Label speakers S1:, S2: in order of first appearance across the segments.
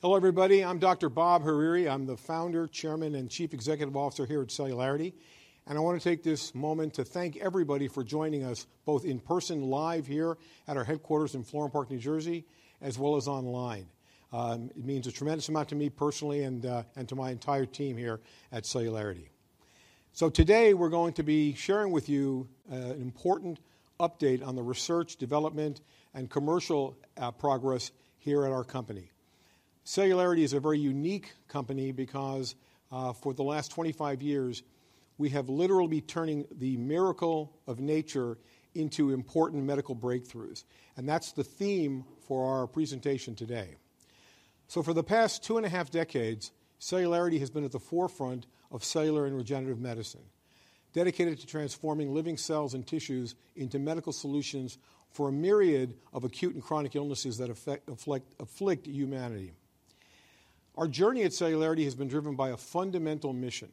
S1: Hello, everybody. I'm Dr. Bob Hariri. I'm the founder, chairman, and Chief Executive Officer here at Celularity, and I want to take this moment to thank everybody for joining us, both in person, live here at our headquarters in Florham Park, New Jersey, as well as online. It means a tremendous amount to me personally and to my entire team here at Celularity. So today, we're going to be sharing with you an important update on the research, development, and commercial progress here at our company. Celularity is a very unique company because for the last 25 years, we have literally been turning the miracle of nature into important medical breakthroughs, and that's the theme for our presentation today. So for the past 2.5 decades, Celularity has been at the forefront of cellular and regenerative medicine, dedicated to transforming living cells and tissues into medical solutions for a myriad of acute and chronic illnesses that afflict humanity. Our journey at Celularity has been driven by a fundamental mission: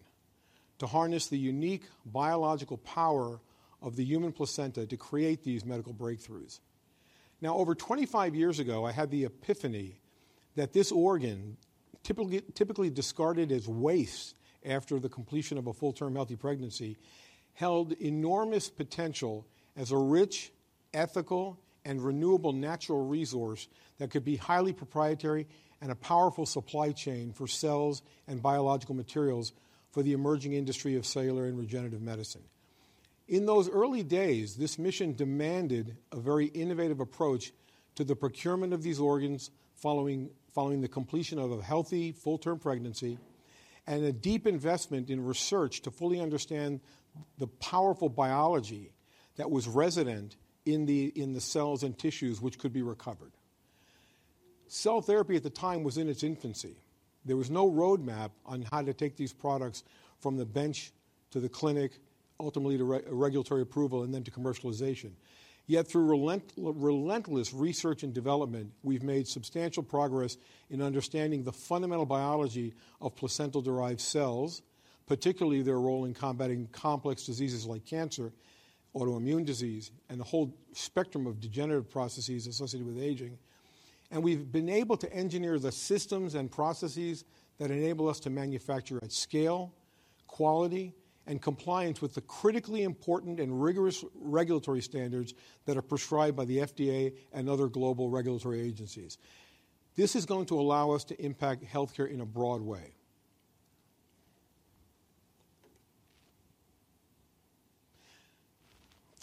S1: to harness the unique biological power of the human placenta to create these medical breakthroughs. Now, over 25 years ago, I had the epiphany that this organ, typically discarded as waste after the completion of a full-term, healthy pregnancy, held enormous potential as a rich, ethical, and renewable natural resource that could be highly proprietary and a powerful supply chain for cells and biological materials for the emerging industry of cellular and regenerative medicine. In those early days, this mission demanded a very innovative approach to the procurement of these organs, following the completion of a healthy, full-term pregnancy, and a deep investment in research to fully understand the powerful biology that was resident in the cells and tissues which could be recovered. Cell therapy at the time was in its infancy. There was no roadmap on how to take these products from the bench to the clinic, ultimately, to regulatory approval and then to commercialization. Yet through relentless research and development, we've made substantial progress in understanding the fundamental biology of placental-derived cells, particularly their role in combating complex diseases like cancer, autoimmune disease, and the whole spectrum of degenerative processes associated with aging. We've been able to engineer the systems and processes that enable us to manufacture at scale, quality, and compliance with the critically important and rigorous regulatory standards that are prescribed by the FDA and other global regulatory agencies. This is going to allow us to impact healthcare in a broad way.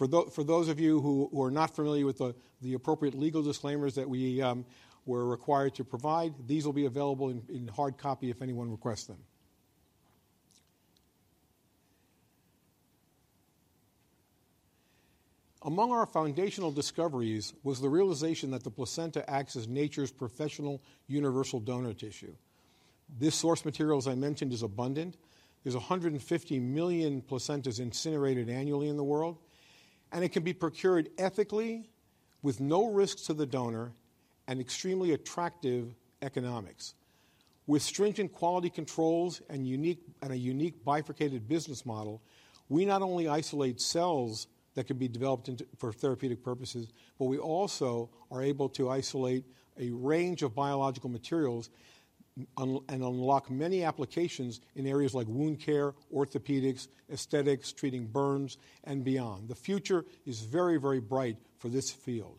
S1: For those of you who are not familiar with the appropriate legal disclaimers that we were required to provide, these will be available in hard copy if anyone requests them. Among our foundational discoveries was the realization that the placenta acts as nature's professional universal donor tissue. This source material, as I mentioned, is abundant. There's 150 million placentas incinerated annually in the world, and it can be procured ethically, with no risks to the donor, and extremely attractive economics. With stringent quality controls and unique and a unique bifurcated business model, we not only isolate cells that can be developed into for therapeutic purposes, but we also are able to isolate a range of biological materials and unlock many applications in areas like wound care, orthopedics, aesthetics, treating burns, and beyond. The future is very, very bright for this field.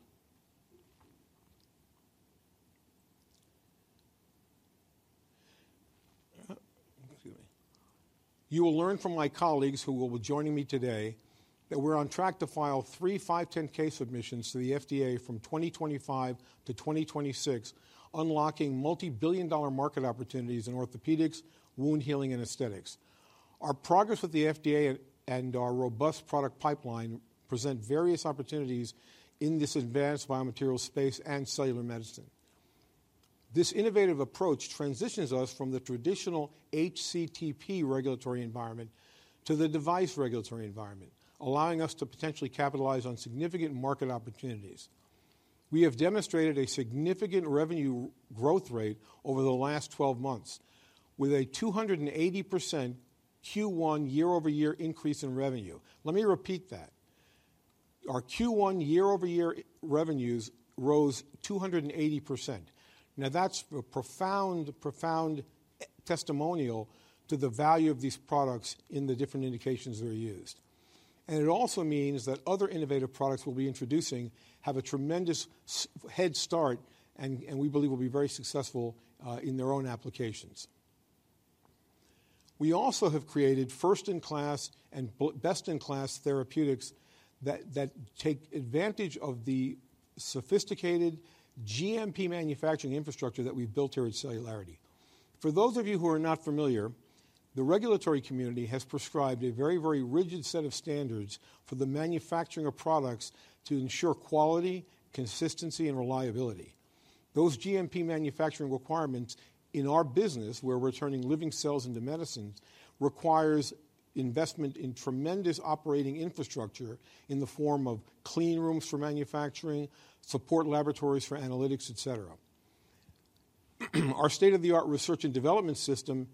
S1: Excuse me. You will learn from my colleagues, who will be joining me today, that we're on track to file three 510(k) submissions to the FDA from 2025 to 2026, unlocking multi-billion-dollar market opportunities in orthopedics, wound healing, and aesthetics. Our progress with the FDA and our robust product pipeline present various opportunities in this advanced biomaterials space and cellular medicine. This innovative approach transitions us from the traditional HCT/P regulatory environment to the device regulatory environment, allowing us to potentially capitalize on significant market opportunities. We have demonstrated a significant revenue growth rate over the last 12 months, with a 280% Q1 year-over-year increase in revenue. Let me repeat that. Our Q1 year-over-year revenues rose 280%. Now, that's a profound, profound testimonial to the value of these products in the different indications they're used. And it also means that other innovative products we'll be introducing have a tremendous head start and, and we believe will be very successful, in their own applications. We also have created first-in-class and best-in-class therapeutics that, that take advantage of the sophisticated GMP manufacturing infrastructure that we've built here at Celularity. For those of you who are not familiar, the regulatory community has prescribed a very, very rigid set of standards for the manufacturing of products to ensure quality, consistency, and reliability. Those GMP manufacturing requirements in our business, where we're turning living cells into medicines, requires investment in tremendous operating infrastructure in the form of clean rooms for manufacturing, support laboratories for analytics, et cetera. Our state-of-the-art research and development system,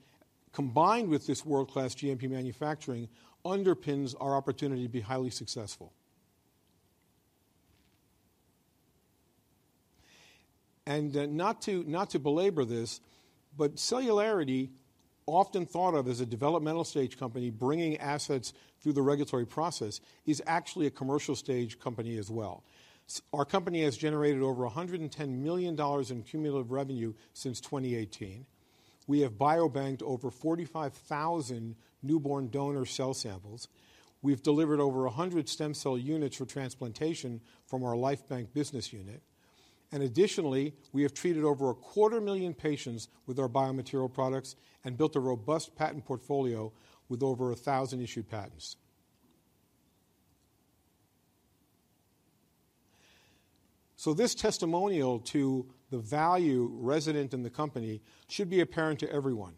S1: combined with this world-class GMP manufacturing, underpins our opportunity to be highly successful. And, not to, not to belabor this, but Celularity, often thought of as a developmental stage company bringing assets through the regulatory process, is actually a commercial stage company as well. Our company has generated over $110 million in cumulative revenue since 2018. We have biobanked over 45,000 newborn donor cell samples. We've delivered over 100 stem cell units for transplantation from our LifeBank business unit. Additionally, we have treated over 250,000 patients with our biomaterial products and built a robust patent portfolio with over 1,000 issued patents. So this testimonial to the value resident in the company should be apparent to everyone.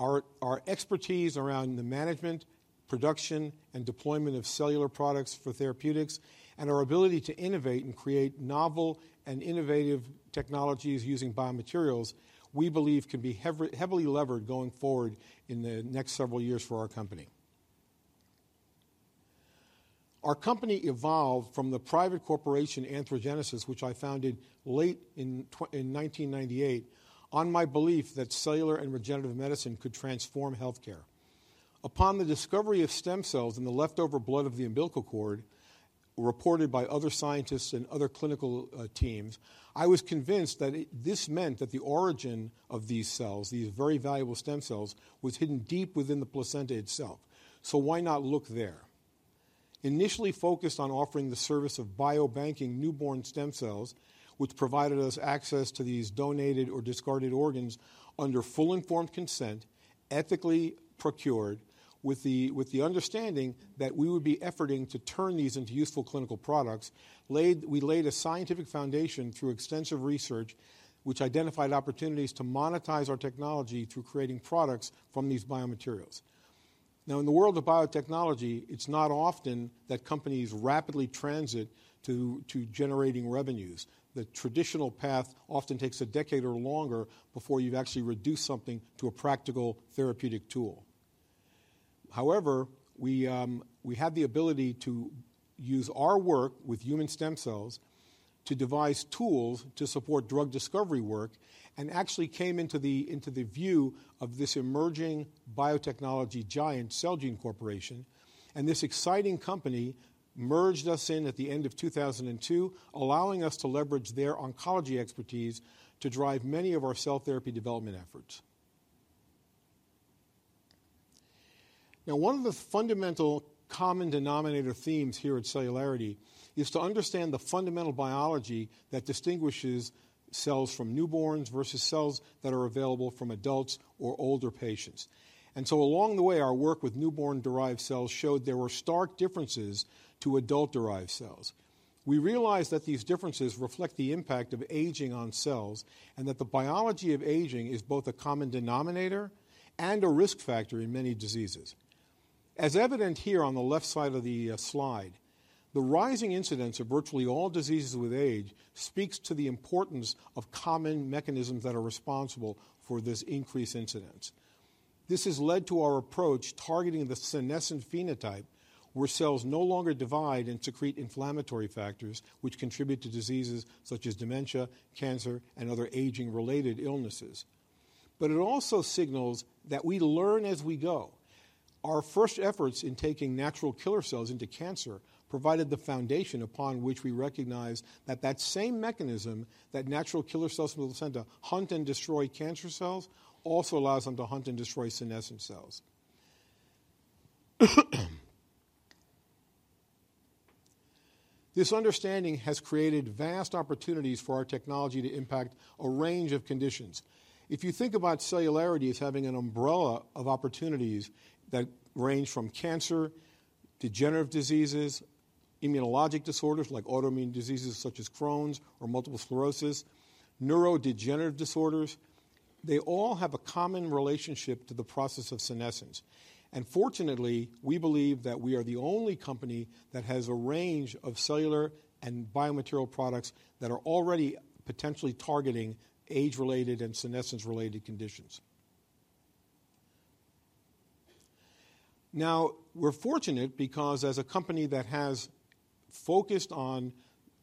S1: Our expertise around the management, production, and deployment of cellular products for therapeutics, and our ability to innovate and create novel and innovative technologies using biomaterials, we believe can be heavily levered going forward in the next several years for our company. Our company evolved from the private corporation, Anthrogenesis, which I founded late in 1998, on my belief that cellular and regenerative medicine could transform healthcare. Upon the discovery of stem cells in the leftover blood of the umbilical cord, reported by other scientists and other clinical teams, I was convinced that this meant that the origin of these cells, these very valuable stem cells, was hidden deep within the placenta itself. So why not look there? Initially focused on offering the service of biobanking newborn stem cells, which provided us access to these donated or discarded organs under full informed consent, ethically procured, with the understanding that we would be efforting to turn these into useful clinical products, we laid a scientific foundation through extensive research, which identified opportunities to monetize our technology through creating products from these biomaterials. Now, in the world of biotechnology, it's not often that companies rapidly transit to generating revenues. The traditional path often takes a decade or longer before you've actually reduced something to a practical therapeutic tool. However, we, we had the ability to use our work with human stem cells to devise tools to support drug discovery work and actually came into the view of this emerging biotechnology giant, Celgene Corporation, and this exciting company merged us in at the end of 2002, allowing us to leverage their oncology expertise to drive many of our cell therapy development efforts. Now, one of the fundamental common denominator themes here at Celularity is to understand the fundamental biology that distinguishes cells from newborns versus cells that are available from adults or older patients. And so along the way, our work with newborn-derived cells showed there were stark differences to adult-derived cells. We realized that these differences reflect the impact of aging on cells, and that the biology of aging is both a common denominator and a risk factor in many diseases. As evident here on the left side of the slide, the rising incidence of virtually all diseases with age speaks to the importance of common mechanisms that are responsible for this increased incidence. This has led to our approach targeting the senescent phenotype, where cells no longer divide and secrete inflammatory factors, which contribute to diseases such as dementia, cancer, and other aging-related illnesses. But it also signals that we learn as we go. Our first efforts in taking natural killer cells into cancer provided the foundation upon which we recognized that, that same mechanism, that natural killer cells from the placenta hunt and destroy cancer cells, also allows them to hunt and destroy senescent cells. This understanding has created vast opportunities for our technology to impact a range of conditions. If you think about Celularity as having an umbrella of opportunities that range from cancer, degenerative diseases, immunologic disorders like autoimmune diseases such as Crohn's or multiple sclerosis, neurodegenerative disorders, they all have a common relationship to the process of senescence. Fortunately, we believe that we are the only company that has a range of cellular and biomaterial products that are already potentially targeting age-related and senescence-related conditions. Now, we're fortunate because as a company that has focused on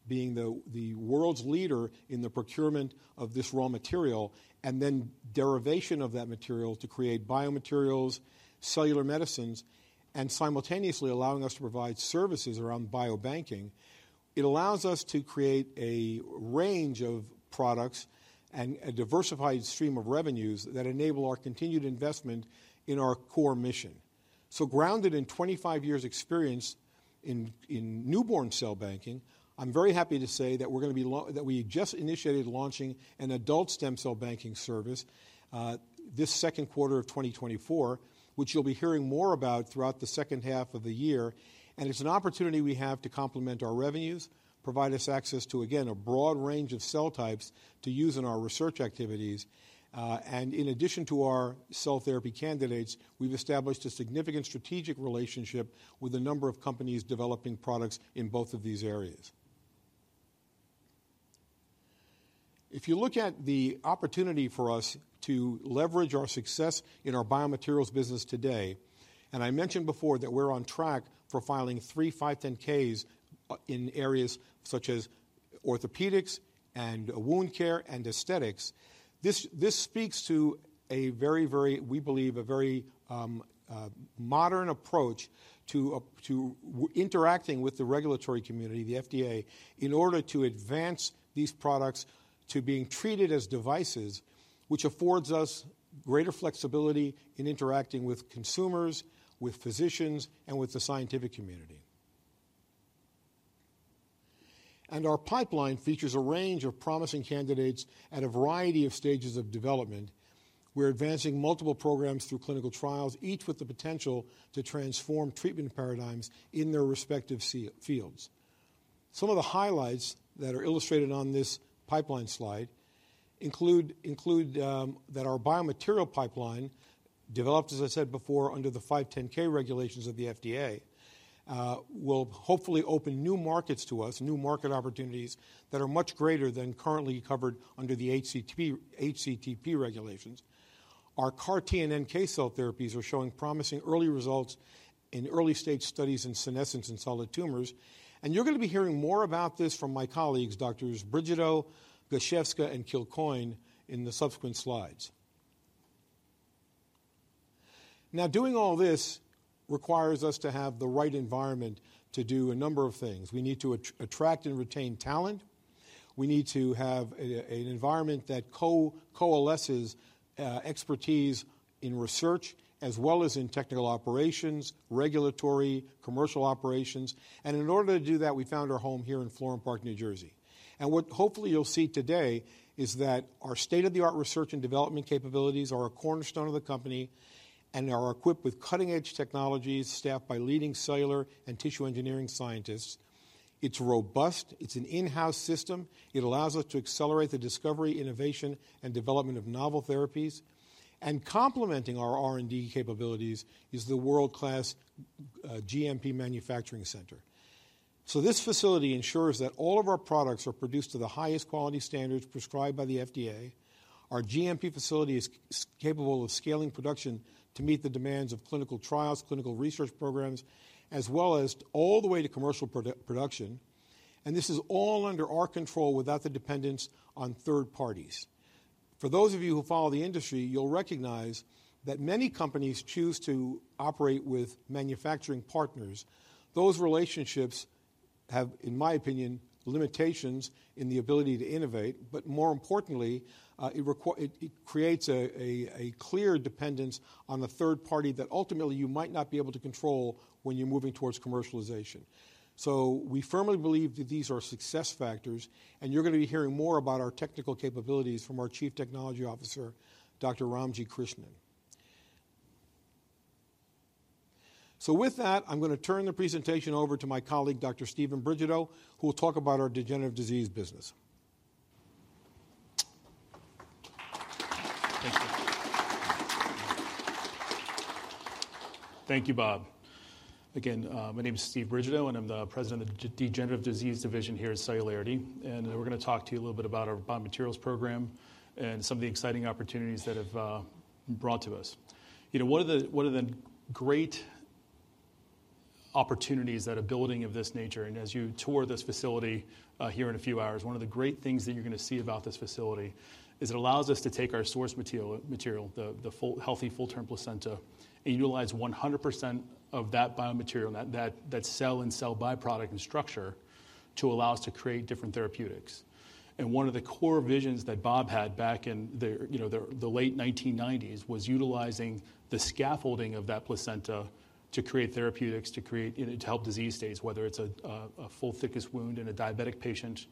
S1: being the world's leader in the procurement of this raw material, and then derivation of that material to create biomaterials, cellular medicines, and simultaneously allowing us to provide services around biobanking, it allows us to create a range of products and a diversified stream of revenues that enable our continued investment in our core mission. So grounded in 25 years' experience in newborn cell banking, I'm very happy to say that we just initiated launching an adult stem cell banking service, this second quarter of 2024, which you'll be hearing more about throughout the second half of the year. And it's an opportunity we have to complement our revenues, provide us access to, again, a broad range of cell types to use in our research activities. And in addition to our cell therapy candidates, we've established a significant strategic relationship with a number of companies developing products in both of these areas. If you look at the opportunity for us to leverage our success in our biomaterials business today, and I mentioned before that we're on track for filing three 510(k)s in areas such as orthopedics and wound care and aesthetics. This speaks to a very, very, we believe, a very modern approach to interacting with the regulatory community, the FDA, in order to advance these products to being treated as devices, which affords us greater flexibility in interacting with consumers, with physicians, and with the scientific community. And our pipeline features a range of promising candidates at a variety of stages of development. We're advancing multiple programs through clinical trials, each with the potential to transform treatment paradigms in their respective fields. Some of the highlights that are illustrated on this pipeline slide include that our biomaterial pipeline, developed, as I said before, under the 510(k) regulations of the FDA, will hopefully open new markets to us, new market opportunities that are much greater than currently covered under the HCT/P regulations. Our CAR T and NK cell therapies are showing promising early results in early-stage studies in senescence and solid tumors, and you're gonna be hearing more about this from my colleagues, Doctors Brigido, Gosiewska, and Kilcoyne, in the subsequent slides. Now, doing all this requires us to have the right environment to do a number of things. We need to attract and retain talent. We need to have an environment that coalesces expertise in research as well as in technical operations, regulatory, commercial operations, and in order to do that, we found our home here in Florham Park, New Jersey. What hopefully you'll see today is that our state-of-the-art research and development capabilities are a cornerstone of the company and are equipped with cutting-edge technologies, staffed by leading cellular and tissue engineering scientists. It's robust. It's an in-house system. It allows us to accelerate the discovery, innovation, and development of novel therapies. Complementing our R&D capabilities is the world-class GMP manufacturing center. This facility ensures that all of our products are produced to the highest quality standards prescribed by the FDA. Our GMP facility is capable of scaling production to meet the demands of clinical trials, clinical research programs, as well as all the way to commercial production, and this is all under our control without the dependence on third parties. For those of you who follow the industry, you'll recognize that many companies choose to operate with manufacturing partners. Those relationships have, in my opinion, limitations in the ability to innovate, but more importantly, it creates a clear dependence on the third party that ultimately you might not be able to control when you're moving towards commercialization. So we firmly believe that these are success factors, and you're gonna be hearing more about our technical capabilities from our Chief Technology Officer, Dr. Ramji Krishnan. So with that, I'm gonna turn the presentation over to my colleague, Dr. Stephen Brigido, who will talk about our degenerative disease business.
S2: Thank you. Thank you, Bob. Again, my name is Steve Brigido, and I'm the President of the Degenerative Disease Division here at Celularity, and we're gonna talk to you a little bit about our biomaterials program and some of the exciting opportunities that have been brought to us. You know, one of the great opportunities that a building of this nature, and as you tour this facility here in a few hours, one of the great things that you're gonna see about this facility is it allows us to take our source material, the full, healthy, full-term placenta, and utilize 100% of that biomaterial, that cell and cell by-product and structure, to allow us to create different therapeutics. One of the core visions that Bob had back in the late 1990s, you know, was utilizing the scaffolding of that placenta to create therapeutics, to create... You know, to help disease states, whether it's a full-thickness wound in a diabetic patient,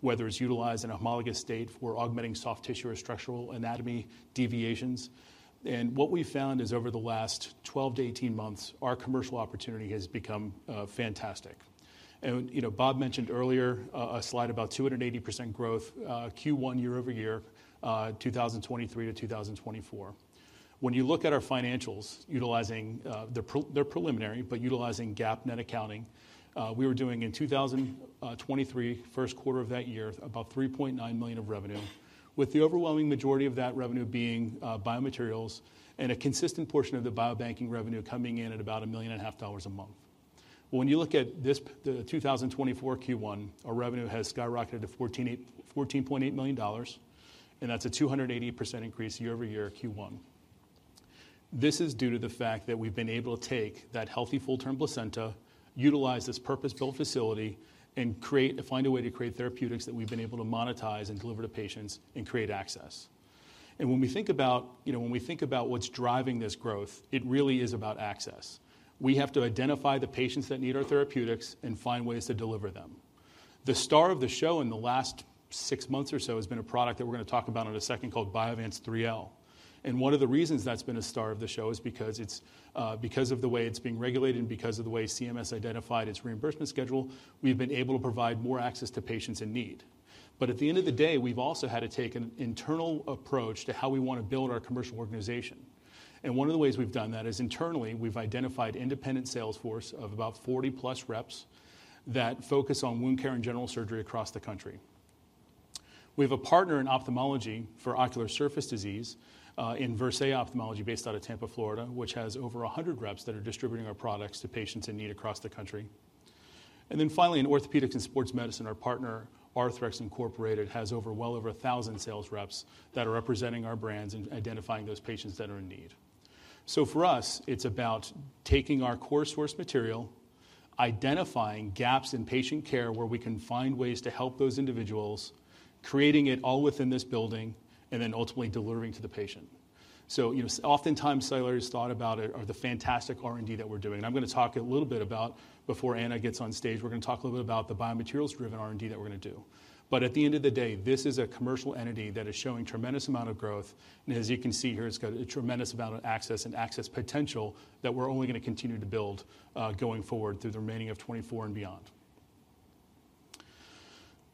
S2: whether it's utilized in a homologous state for augmenting soft tissue or structural anatomy deviations. And what we've found is over the last 12-18 months, our commercial opportunity has become fantastic. And, you know, Bob mentioned earlier a slide about 280% growth, Q1 year-over-year, 2023-2024. When you look at our financials, utilizing they're preliminary, but utilizing GAAP net accounting, we were doing in 2023, first quarter of that year, about $3.9 million of revenue, with the overwhelming majority of that revenue being biomaterials and a consistent portion of the biobanking revenue coming in at about $1.5 million a month. When you look at this, the 2024 Q1, our revenue has skyrocketed to $14.8 million, and that's a 280% increase year over year, Q1. This is due to the fact that we've been able to take that healthy, full-term placenta, utilize this purpose-built facility, and find a way to create therapeutics that we've been able to monetize and deliver to patients and create access. And when we think about, you know, when we think about what's driving this growth, it really is about access. We have to identify the patients that need our therapeutics and find ways to deliver them. The star of the show in the last six months or so has been a product that we're gonna talk about in a second called Biovance 3L. And one of the reasons that's been a star of the show is because it's, because of the way it's being regulated and because of the way CMS identified its reimbursement schedule, we've been able to provide more access to patients in need. But at the end of the day, we've also had to take an internal approach to how we want to build our commercial organization.... One of the ways we've done that is internally, we've identified independent sales force of about 40+ reps that focus on wound care and general surgery across the country. We have a partner in ophthalmology for ocular surface disease, in Verséa Ophthalmics, based out of Tampa, Florida, which has over 100 reps that are distributing our products to patients in need across the country. And then finally, in orthopedics and sports medicine, our partner, Arthrex Incorporated, has well over 1,000 sales reps that are representing our brands and identifying those patients that are in need. So for us, it's about taking our core source material, identifying gaps in patient care where we can find ways to help those individuals, creating it all within this building, and then ultimately delivering to the patient. So, you know, oftentimes, Celularity is thought about or the fantastic R&D that we're doing. I'm gonna talk a little bit about, before Anna gets on stage, we're gonna talk a little bit about the biomaterials-driven R&D that we're gonna do. But at the end of the day, this is a commercial entity that is showing tremendous amount of growth, and as you can see here, it's got a tremendous amount of access and access potential that we're only gonna continue to build, going forward through the remaining of 2024 and beyond.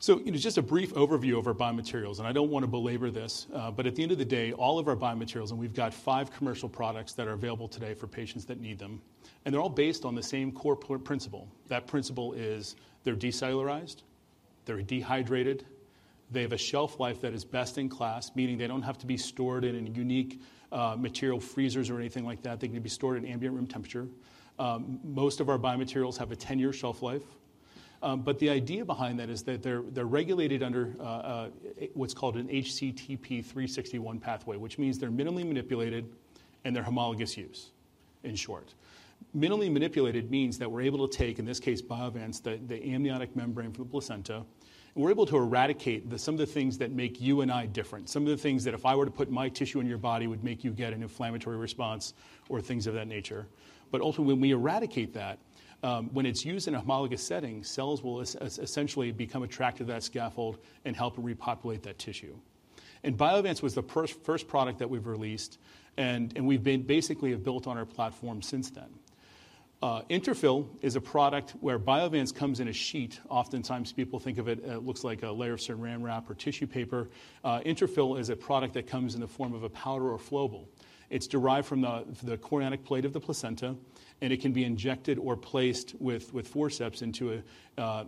S2: So, you know, just a brief overview of our biomaterials, and I don't want to belabor this, but at the end of the day, all of our biomaterials, and we've got five commercial products that are available today for patients that need them, and they're all based on the same core principle. That principle is they're decellularized, they're dehydrated, they have a shelf life that is best-in-class, meaning they don't have to be stored in any unique, material freezers or anything like that. They can be stored in ambient room temperature. Most of our biomaterials have a 10-year shelf life, but the idea behind that is that they're regulated under what's called an HCT/P 361 pathway, which means they're minimally manipulated and they're homologous use, in short. Minimally manipulated means that we're able to take, in this case, Biovance, the amniotic membrane from the placenta, and we're able to eradicate some of the things that make you and I different, some of the things that if I were to put my tissue in your body, would make you get an inflammatory response or things of that nature. But ultimately, when we eradicate that, when it's used in a homologous setting, cells will essentially become attracted to that scaffold and help repopulate that tissue. Biovance was the first product that we've released, and we've basically built on our platform since then. Interfyl is a product where Biovance comes in a sheet. Oftentimes, people think of it, it looks like a layer of Saran Wrap or tissue paper. Interfyl is a product that comes in the form of a powder or flowable. It's derived from the chorionic plate of the placenta, and it can be injected or placed with forceps into,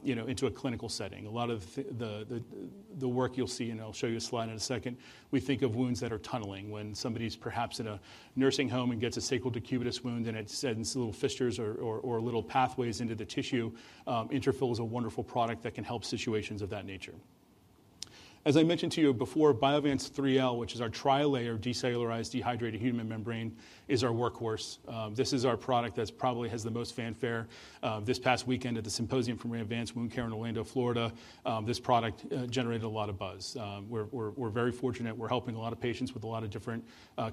S2: you know, a clinical setting. A lot of the work you'll see, and I'll show you a slide in a second, we think of wounds that are tunneling. When somebody's perhaps in a nursing home and gets a sacral decubitus wound, and it sends little fistulas or little pathways into the tissue, Interfyl is a wonderful product that can help situations of that nature. As I mentioned to you before, Biovance 3L, which is our tri-layer, decellularized, dehydrated human membrane, is our workhorse. This is our product that's probably has the most fanfare. This past weekend at the symposium for Advanced Wound Care in Orlando, Florida, this product generated a lot of buzz. We're very fortunate. We're helping a lot of patients with a lot of different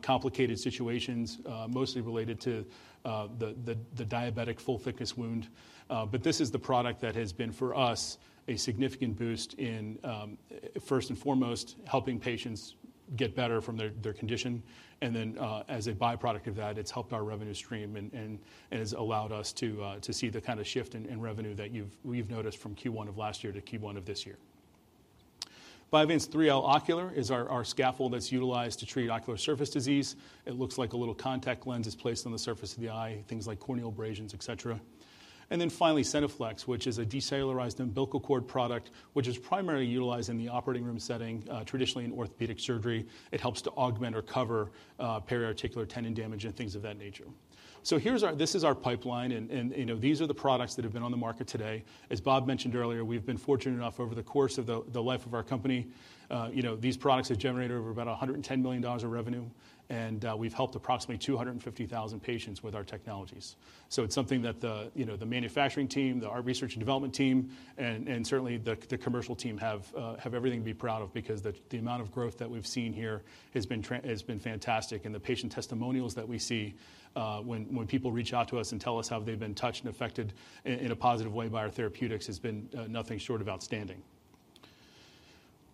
S2: complicated situations, mostly related to the diabetic full-thickness wound. But this is the product that has been, for us, a significant boost in, first and foremost, helping patients get better from their condition, and then, as a by-product of that, it's helped our revenue stream and has allowed us to see the kind of shift in revenue that we've noticed from Q1 of last year to Q1 of this year. Biovance 3L Ocular is our scaffold that's utilized to treat ocular surface disease. It looks like a little contact lens. It's placed on the surface of the eye, things like corneal abrasions, et cetera. And then finally, CentaFlex, which is a decellularized umbilical cord product, which is primarily utilized in the operating room setting, traditionally in orthopedic surgery. It helps to augment or cover periarticular tendon damage and things of that nature. So here's our pipeline, and, you know, these are the products that have been on the market today. As Bob mentioned earlier, we've been fortunate enough over the course of the life of our company, you know, these products have generated over about $110 million of revenue, and we've helped approximately 250,000 patients with our technologies. So it's something that the, you know, the manufacturing team, our research and development team, and certainly the commercial team have everything to be proud of because the amount of growth that we've seen here has been fantastic. And the patient testimonials that we see, when people reach out to us and tell us how they've been touched and affected in a positive way by our therapeutics, has been, nothing short of outstanding.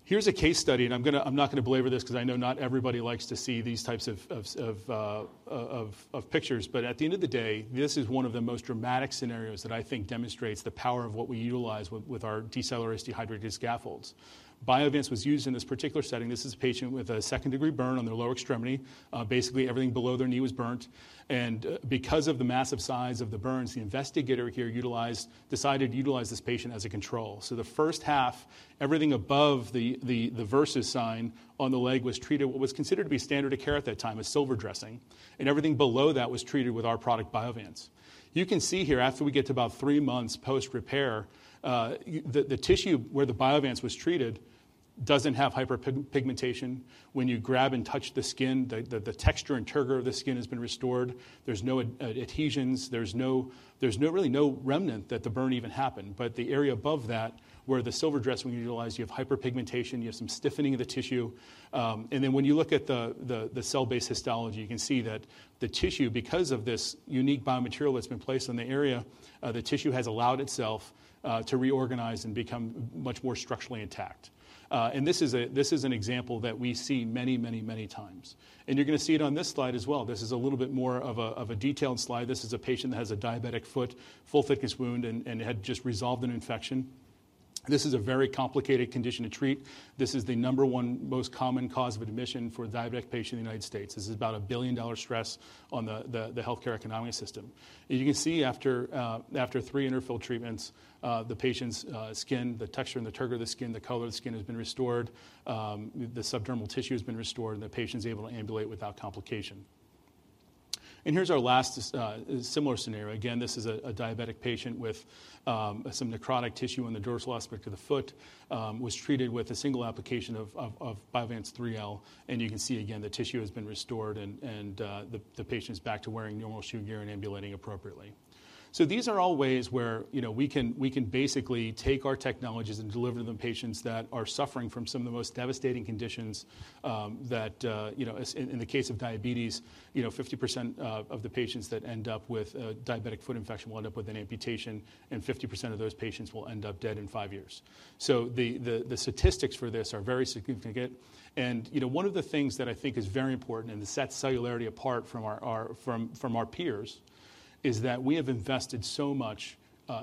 S2: Here's a case study, and I'm not gonna belabor this because I know not everybody likes to see these types of pictures. But at the end of the day, this is one of the most dramatic scenarios that I think demonstrates the power of what we utilize with our decellularized dehydrated scaffolds. Biovance was used in this particular setting. This is a patient with a second-degree burn on their lower extremity. Basically, everything below their knee was burned, and because of the massive size of the burns, the investigator here decided to utilize this patient as a control. So the first half, everything above the versus sign on the leg was treated, what was considered to be standard of care at that time, a silver dressing, and everything below that was treated with our product, Biovance. You can see here, after we get to about three months post-repair, the tissue where the Biovance was treated doesn't have hyperpigmentation. When you grab and touch the skin, the texture and turgor of the skin has been restored. There's no adhesions, there's really no remnant that the burn even happened. But the area above that, where the silver dressing was utilized, you have hyperpigmentation, you have some stiffening of the tissue. And then when you look at the cell-based histology, you can see that the tissue, because of this unique biomaterial that's been placed in the area, the tissue has allowed itself to reorganize and become much more structurally intact. And this is an example that we see many, many, many times, and you're gonna see it on this slide as well. This is a little bit more of a detailed slide. This is a patient that has a diabetic foot, full-thickness wound, and had just resolved an infection.... This is a very complicated condition to treat. This is the number one most common cause of admission for a diabetic patient in the United States. This is about a $1 billion stress on the healthcare economic system. You can see after three Interfyl treatments, the patient's skin, the texture and the turgor of the skin, the color of the skin has been restored. The subdermal tissue has been restored, and the patient's able to ambulate without complication. Here's our last similar scenario. Again, this is a diabetic patient with some necrotic tissue on the dorsal aspect of the foot. Was treated with a single application of Biovance 3L, and you can see again, the tissue has been restored and the patient's back to wearing normal shoe gear and ambulating appropriately. So these are all ways where, you know, we can, we can basically take our technologies and deliver them to patients that are suffering from some of the most devastating conditions, that, in the case of diabetes, you know, 50% of, of the patients that end up with a diabetic foot infection will end up with an amputation, and 50% of those patients will end up dead in five years. So the statistics for this are very significant, and, you know, one of the things that I think is very important and that sets Celularity apart from our peers, is that we have invested so much,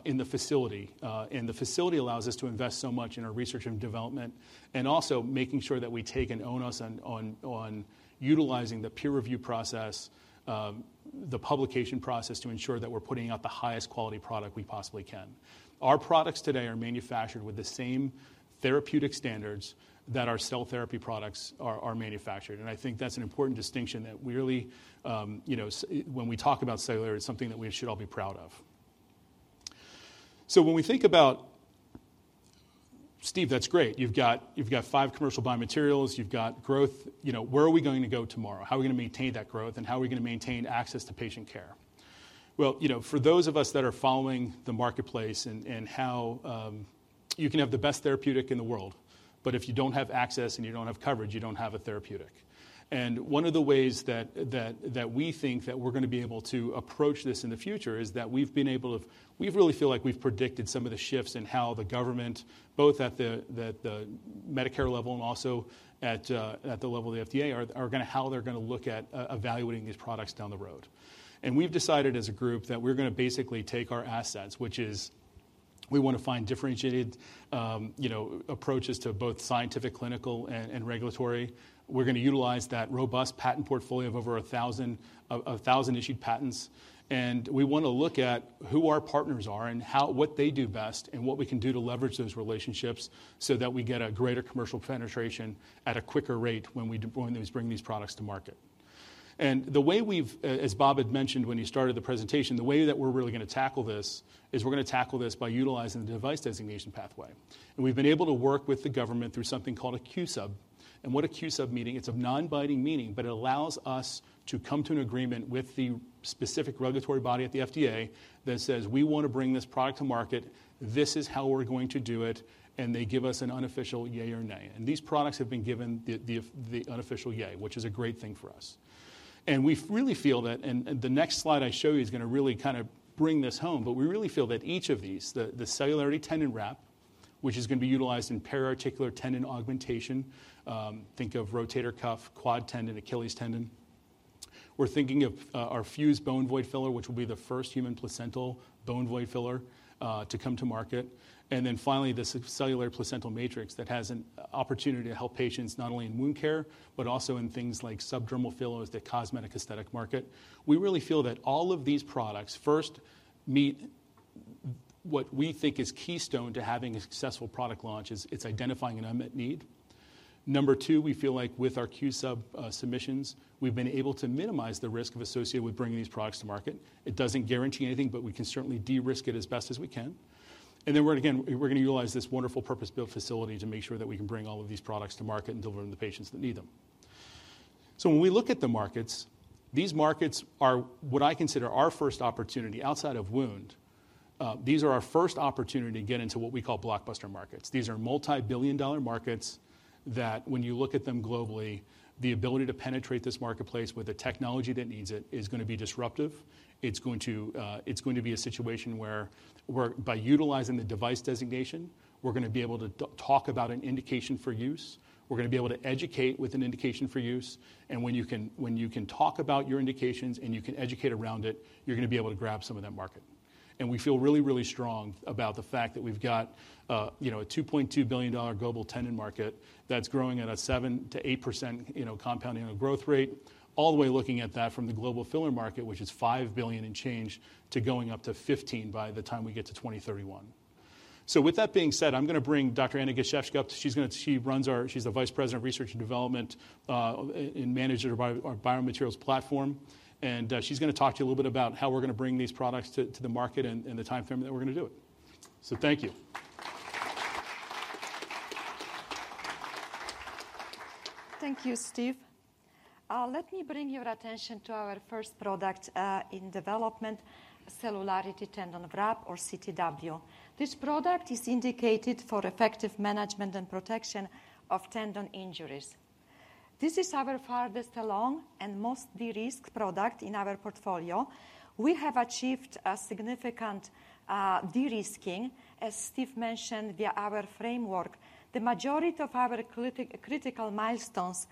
S2: in the facility. And the facility allows us to invest so much in our research and development and also making sure that we take an onus on utilizing the peer review process, the publication process, to ensure that we're putting out the highest quality product we possibly can. Our products today are manufactured with the same therapeutic standards that our cell therapy products are manufactured, and I think that's an important distinction that we really, you know, when we talk about Celularity, it's something that we should all be proud of. So when we think about... "Steve, that's great. You've got, you've got five commercial biomaterials, you've got growth. You know, where are we going to go tomorrow? How are we gonna maintain that growth, and how are we gonna maintain access to patient care?" Well, you know, for those of us that are following the marketplace and how... You can have the best therapeutic in the world, but if you don't have access and you don't have coverage, you don't have a therapeutic. And one of the ways that we think that we're gonna be able to approach this in the future is that we've been able to. We really feel like we've predicted some of the shifts in how the government, both at the Medicare level and also at the level of the FDA, are gonna look at evaluating these products down the road. And we've decided as a group that we're gonna basically take our assets, which is we wanna find differentiated, you know, approaches to both scientific, clinical, and regulatory. We're gonna utilize that robust patent portfolio of over 1,000, 1,000 issued patents, and we wanna look at who our partners are and how what they do best, and what we can do to leverage those relationships so that we get a greater commercial penetration at a quicker rate when we bring these products to market. And the way we've, as Bob had mentioned when he started the presentation, the way that we're really gonna tackle this is we're gonna tackle this by utilizing the device designation pathway. And we've been able to work with the government through something called a Q-Sub. What a Q-Sub meaning, it's a non-binding meaning, but it allows us to come to an agreement with the specific regulatory body at the FDA that says, "We want to bring this product to market. This is how we're going to do it." And they give us an unofficial yay or nay. These products have been given the unofficial yay, which is a great thing for us. We really feel that... The next slide I show you is gonna really kind of bring this home, but we really feel that each of these, the Celularity Tendon Wrap, which is gonna be utilized in periarticular tendon augmentation, think of rotator cuff, quad tendon, Achilles tendon. We're thinking of our FUSE Bone Void Filler, which will be the first human placental bone void filler to come to market. And then finally, this Celularity Placental Matrix that has an opportunity to help patients not only in wound care but also in things like subdermal fillers, the cosmetic aesthetic market. We really feel that all of these products first meet what we think is keystone to having a successful product launch is, it's identifying an unmet need. Number two, we feel like with our Q-Sub submissions, we've been able to minimize the risk associated with bringing these products to market. It doesn't guarantee anything, but we can certainly de-risk it as best as we can. And then we're, again, we're gonna utilize this wonderful purpose-built facility to make sure that we can bring all of these products to market and deliver them to patients that need them. So when we look at the markets, these markets are what I consider our first opportunity outside of wound. These are our first opportunity to get into what we call blockbuster markets. These are multi-billion-dollar markets that when you look at them globally, the ability to penetrate this marketplace with the technology that needs it is gonna be disruptive. It's going to be a situation where by utilizing the device designation, we're gonna be able to talk about an indication for use. We're gonna be able to educate with an indication for use. And when you can talk about your indications and you can educate around it, you're gonna be able to grab some of that market. We feel really, really strong about the fact that we've got, you know, a $2.2 billion global tendon market that's growing at a 7%-8%, you know, compounding annual growth rate, all the way looking at that from the global filler market, which is $5 billion and change, to going up to 15 by the time we get to 2031. So with that being said, I'm gonna bring Dr. Anna Gosiewska up. She's gonna—she runs our. She's the Vice President of Research and Development and manager of our biomaterials platform, and, she's gonna talk to you a little bit about how we're gonna bring these products to the market and the timeframe that we're gonna do it. So thank you.
S3: Thank you, Steve. Let me bring your attention to our first product in development, Celularity Tendon Wrap, or CTW. This product is indicated for effective management and protection of tendon injuries. This is our farthest along and most de-risked product in our portfolio. We have achieved a significant de-risking, as Steve mentioned, via our framework. The majority of our critical milestones,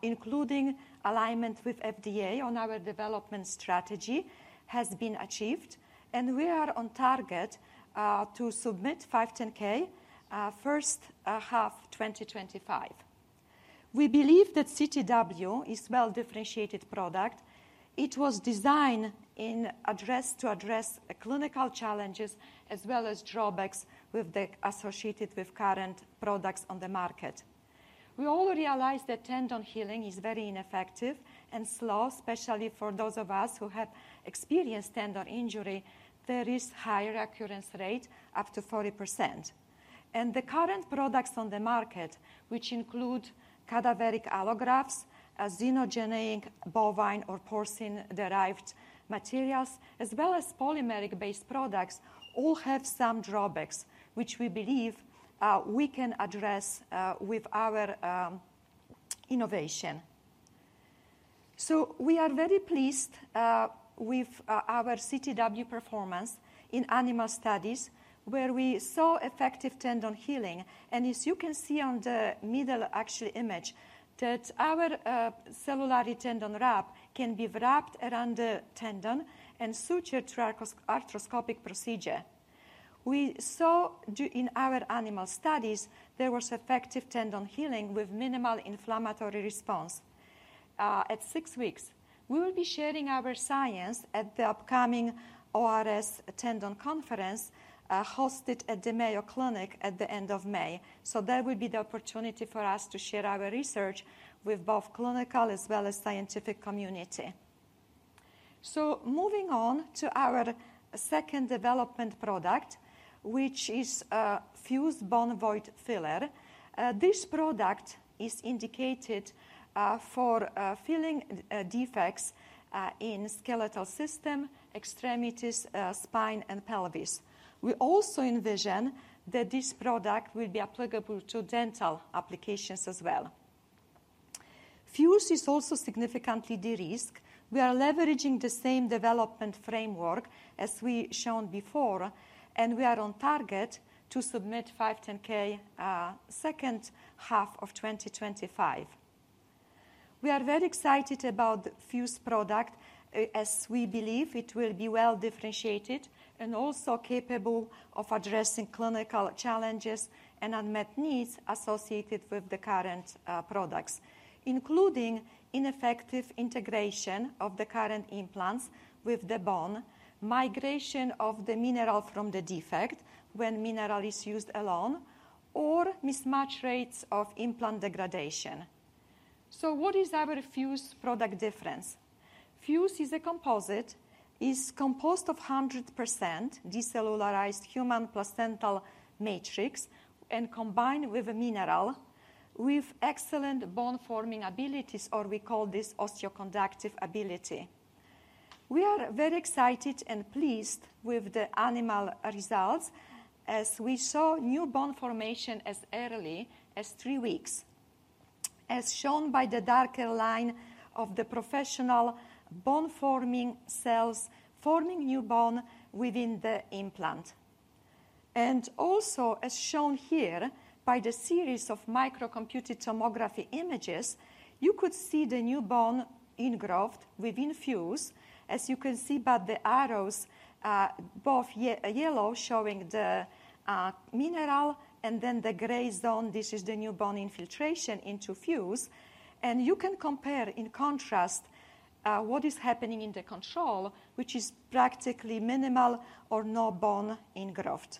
S3: including alignment with FDA on our development strategy, has been achieved, and we are on target to submit 510(k) first half 2025. We believe that CTW is well-differentiated product. It was designed to address clinical challenges as well as drawbacks associated with current products on the market. We all realize that tendon healing is very ineffective and slow, especially for those of us who have experienced tendon injury. There is higher recurrence rate, up to 40%. And the current products on the market, which include cadaveric allografts, xenogeneic, bovine, or porcine-derived materials, as well as polymeric-based products, all have some drawbacks, which we believe we can address with our innovation. So we are very pleased with our CTW performance in animal studies, where we saw effective tendon healing. And as you can see on the middle actual image, that our Celularity tendon wrap can be wrapped around the tendon and suture through arthroscopic procedure. We saw in our animal studies, there was effective tendon healing with minimal inflammatory response at six weeks. We will be sharing our science at the upcoming ORS Tendon Conference hosted at the Mayo Clinic at the end of May. So that will be the opportunity for us to share our research with both clinical as well as scientific community. So moving on to our second development product, which is FUSE Bone Void Filler. This product is indicated for filling defects in skeletal system, extremities, spine, and pelvis. We also envision that this product will be applicable to dental applications as well. Fuse is also significantly de-risked. We are leveraging the same development framework as we shown before, and we are on target to submit 510(k) second half of 2025. We are very excited about FUSE product, as we believe it will be well-differentiated and also capable of addressing clinical challenges and unmet needs associated with the current, products, including ineffective integration of the current implants with the bone, migration of the mineral from the defect when mineral is used alone, or mismatch rates of implant degradation. So what is our FUSE product difference? FUSE is a composite, is composed of 100% decellularized human placental matrix and combined with a mineral with excellent bone-forming abilities, or we call this osteoconductive ability. We are very excited and pleased with the animal results, as we saw new bone formation as early as three weeks, as shown by the darker line of the professional bone-forming cells forming new bone within the implant. Also, as shown here by the series of micro-computed tomography images, you could see the new bone ingrowth within FUSE, as you can see by the arrows, both yellow, showing the mineral, and then the gray zone, this is the new bone infiltration into FUSE. You can compare in contrast what is happening in the control, which is practically minimal or no bone ingrowth.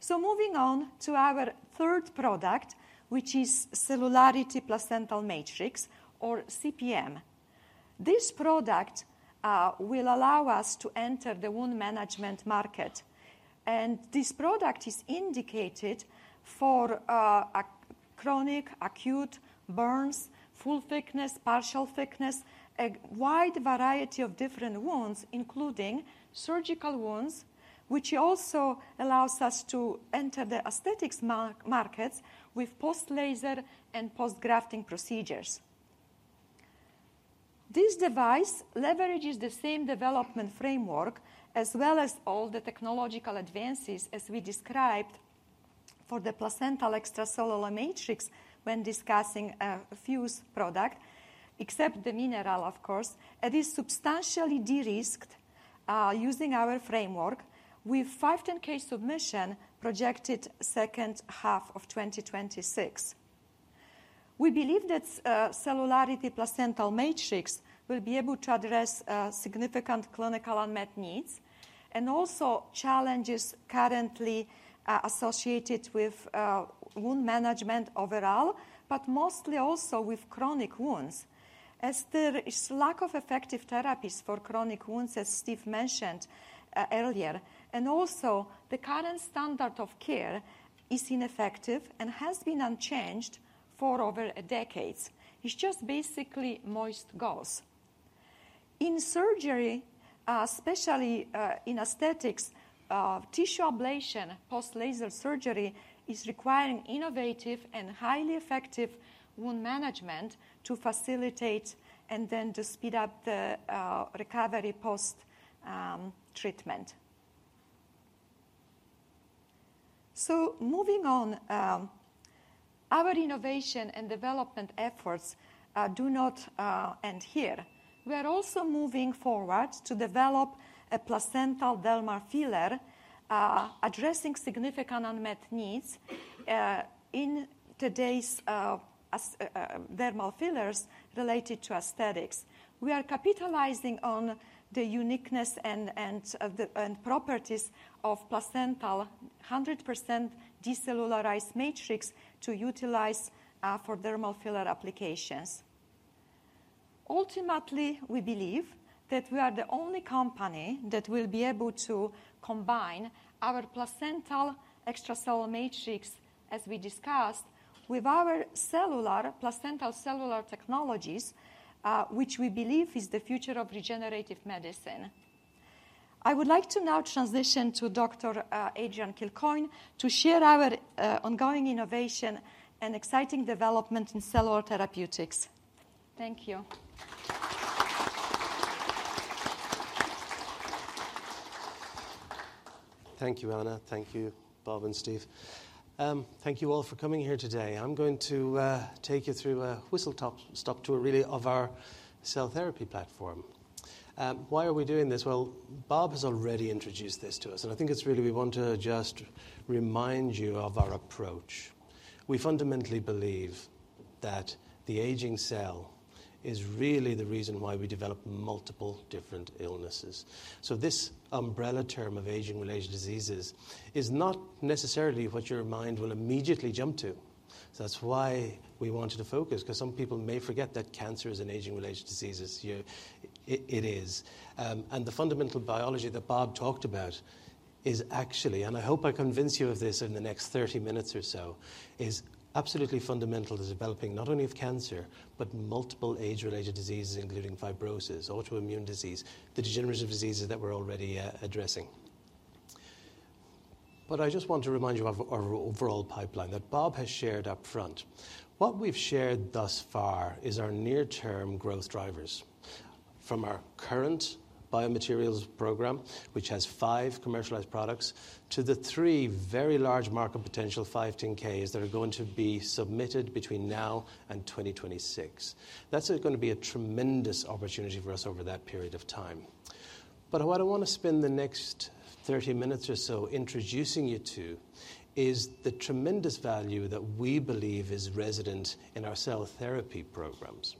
S3: So moving on to our third product, which is Celularity Placental Matrix or CPM. This product will allow us to enter the wound management market, and this product is indicated for a chronic, acute burns, full thickness, partial thickness, a wide variety of different wounds, including surgical wounds, which also allows us to enter the aesthetics markets with post-laser and post-grafting procedures. This device leverages the same development framework, as well as all the technological advances, as we described for the placental extracellular matrix when discussing a FUSE product, except the mineral, of course, and is substantially de-risked using our framework, with 510(k) submission projected second half of 2026. We believe that Celularity Placental Matrix will be able to address significant clinical unmet needs and also challenges currently associated with wound management overall, but mostly also with chronic wounds, as there is lack of effective therapies for chronic wounds, as Steve mentioned earlier. Also, the current standard of care is ineffective and has been unchanged for over decades. It's just basically moist gauze. In surgery, especially, in aesthetics, tissue ablation post-laser surgery is requiring innovative and highly effective wound management to facilitate and then to speed up the, recovery post, treatment. So moving on, Our innovation and development efforts, do not, end here. We are also moving forward to develop a placental dermal filler, addressing significant unmet needs, in today's, as, dermal fillers related to aesthetics. We are capitalizing on the uniqueness and properties of placental 100% decellularized matrix to utilize, for dermal filler applications. Ultimately, we believe that we are the only company that will be able to combine our placental extracellular matrix, as we discussed, with our cellular, placental cellular technologies, which we believe is the future of regenerative medicine. I would like to now transition to Dr. Adrian Kilcoyne, to share our ongoing innovation and exciting development in cellular therapeutics. Thank you.
S4: Thank you, Anna. Thank you, Bob and Steve. Thank you all for coming here today. I'm going to take you through a whistle-stop tour, really, of our cell therapy platform. Why are we doing this? Well, Bob has already introduced this to us, and I think it's really we want to just remind you of our approach. We fundamentally believe that the aging cell is really the reason why we develop multiple different illnesses. So this umbrella term of aging-related diseases is not necessarily what your mind will immediately jump to. So that's why we wanted to focus, 'cause some people may forget that cancer is an aging-related diseases. Yeah, it, it is. and the fundamental biology that Bob talked about is actually, and I hope I convince you of this in the next 30 minutes or so, is absolutely fundamental to developing not only of cancer, but multiple age-related diseases, including fibrosis, autoimmune disease, the degenerative diseases that we're already addressing. But I just want to remind you of our overall pipeline that Bob has shared up front. What we've shared thus far is our near-term growth drivers. From our current biomaterials program, which has five commercialized products, to the three very large market potential 510(k)s that are going to be submitted between now and 2026. That's going to be a tremendous opportunity for us over that period of time. But what I want to spend the next 30 minutes or so introducing you to is the tremendous value that we believe is resident in our cell therapy programs.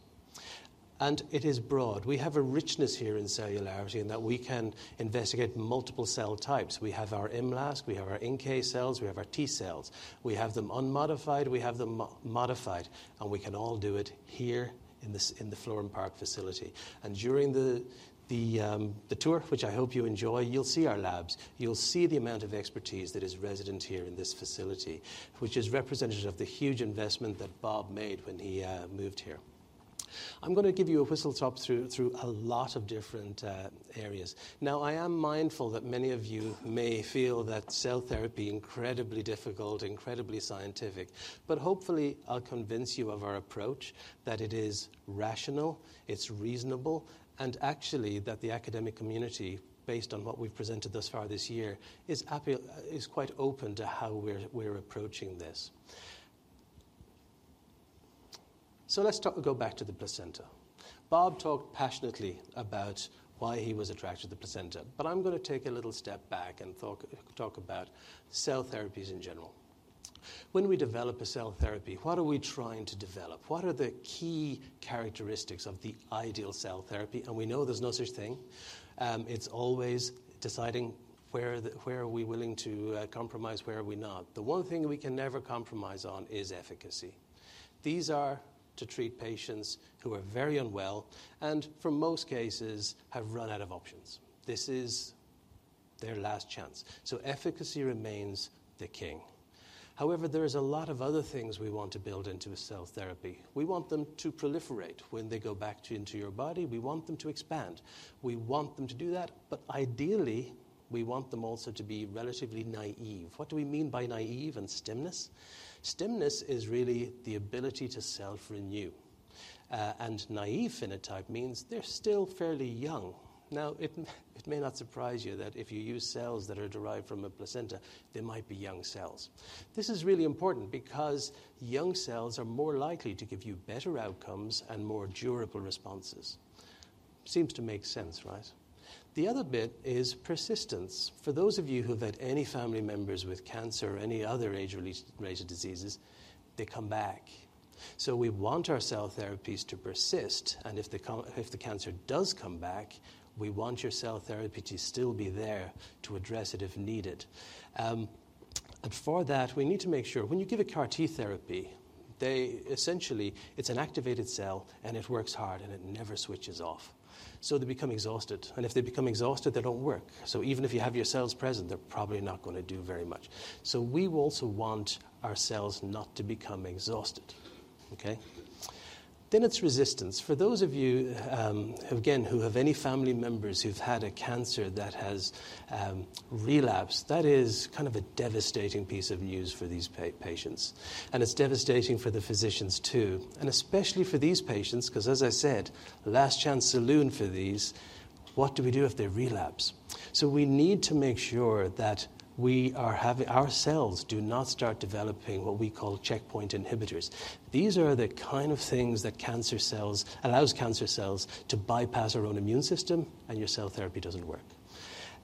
S4: It is broad. We have a richness here in Celularity, in that we can investigate multiple cell types. We have our MLPs, we have our NK cells, we have our T cells. We have them unmodified, we have them modified, and we can all do it here in this, in the Florham Park facility. And during the tour, which I hope you enjoy, you'll see our labs. You'll see the amount of expertise that is resident here in this facility, which is representative of the huge investment that Bob made when he moved here. I'm gonna give you a whistle stop through a lot of different areas. Now, I am mindful that many of you may feel that cell therapy, incredibly difficult, incredibly scientific, but hopefully, I'll convince you of our approach, that it is rational, it's reasonable, and actually, that the academic community, based on what we've presented thus far this year, is happy, is quite open to how we're approaching this. So let's talk, go back to the placenta. Bob talked passionately about why he was attracted to the placenta, but I'm gonna take a little step back and talk about cell therapies in general. When we develop a cell therapy, what are we trying to develop? What are the key characteristics of the ideal cell therapy? And we know there's no such thing. It's always deciding where are we willing to compromise, where are we not? The one thing we can never compromise on is efficacy. These are to treat patients who are very unwell, and for most cases, have run out of options. This is their last chance, so efficacy remains the king. However, there is a lot of other things we want to build into a cell therapy. We want them to proliferate. When they go back into your body, we want them to expand. We want them to do that, but ideally, we want them also to be relatively naive. What do we mean by naive and stemness? Stemness is really the ability to self-renew. Naive phenotype means they're still fairly young. Now, it may not surprise you that if you use cells that are derived from a placenta, they might be young cells. This is really important because young cells are more likely to give you better outcomes and more durable responses. Seems to make sense, right? The other bit is persistence. For those of you who've had any family members with cancer or any other age-related diseases, they come back. So we want our cell therapies to persist, and if they come--if the cancer does come back, we want your cell therapy to still be there to address it if needed. And for that, we need to make sure when you give a CAR T therapy, they...essentially, it's an activated cell, and it works hard, and it never switches off. So they become exhausted, and if they become exhausted, they don't work. So even if you have your cells present, they're probably not gonna do very much. So we will also want our cells not to become exhausted, okay? Then it's resistance. For those of you, again, who have any family members who've had a cancer that has relapsed, that is kind of a devastating piece of news for these patients, and it's devastating for the physicians, too, and especially for these patients, 'cause as I said, last chance saloon for these, what do we do if they relapse? So we need to make sure that we are having, our cells do not start developing what we call checkpoint inhibitors. These are the kind of things that cancer cells, allows cancer cells to bypass our own immune system, and your cell therapy doesn't work.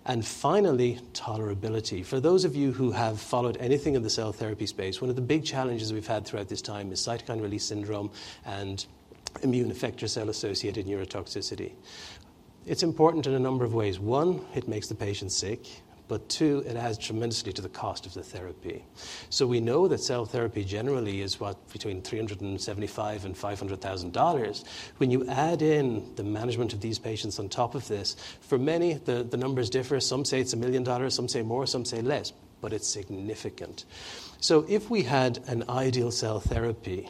S4: And finally, tolerability. For those of you who have followed anything in the cell therapy space, one of the big challenges we've had throughout this time is cytokine release syndrome and immune effector cell-associated neurotoxicity. It's important in a number of ways. One, it makes the patient sick, but two, it adds tremendously to the cost of the therapy. So we know that cell therapy generally is what? Between $375,000-$500,000. When you add in the management of these patients on top of this, for many, the numbers differ. Some say it's $1 million, some say more, some say less, but it's significant. So if we had an ideal cell therapy,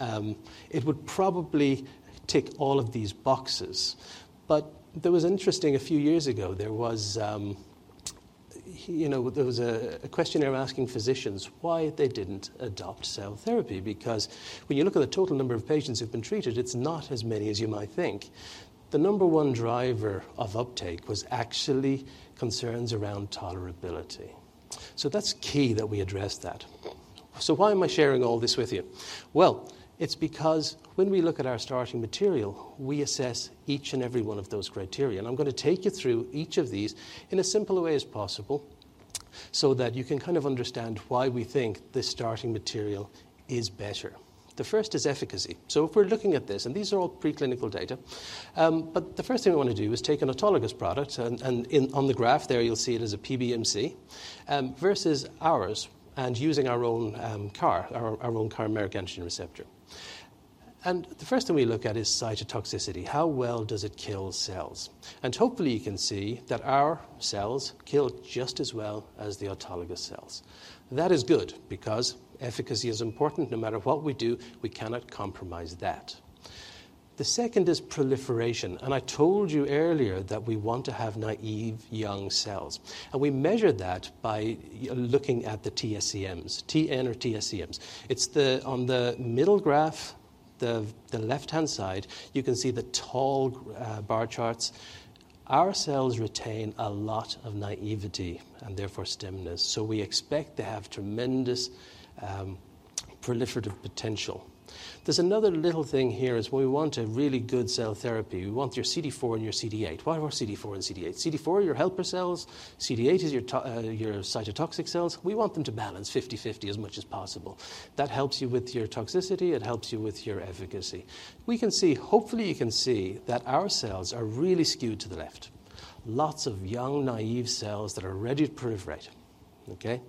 S4: it would probably tick all of these boxes. But there was interesting. A few years ago, you know, there was a questionnaire asking physicians why they didn't adopt cell therapy, because when you look at the total number of patients who've been treated, it's not as many as you might think. The number one driver of uptake was actually concerns around tolerability. So that's key that we address that. So why am I sharing all this with you? Well, it's because when we look at our starting material, we assess each and every one of those criteria. And I'm gonna take you through each of these in as simple a way as possible so that you can kind of understand why we think this starting material is better. The first is efficacy. So if we're looking at this, and these are all preclinical data, but the first thing we want to do is take an autologous product, and on the graph there, you'll see it as a PBMC, versus ours and using our own CAR, our own Chimeric Antigen Receptor. And the first thing we look at is cytotoxicity. How well does it kill cells? Hopefully, you can see that our cells kill just as well as the autologous cells. That is good because efficacy is important. No matter what we do, we cannot compromise that. The second is proliferation, and I told you earlier that we want to have naive young cells, and we measure that by looking at the TSCMs, TN or TSCMs. It's the, on the middle graph, the left-hand side, you can see the tall bar charts. Our cells retain a lot of naivety and therefore stemness, so we expect to have tremendous proliferative potential. There's another little thing here is we want a really good cell therapy. We want your CD4 and your CD8. Why are CD4 and CD8? CD4, your helper cells, CD8 is your cytotoxic cells. We want them to balance 50/50 as much as possible. That helps you with your toxicity, it helps you with your efficacy. We can see, hopefully, you can see that our cells are really skewed to the left. Lots of young, naive cells that are ready to proliferate, okay?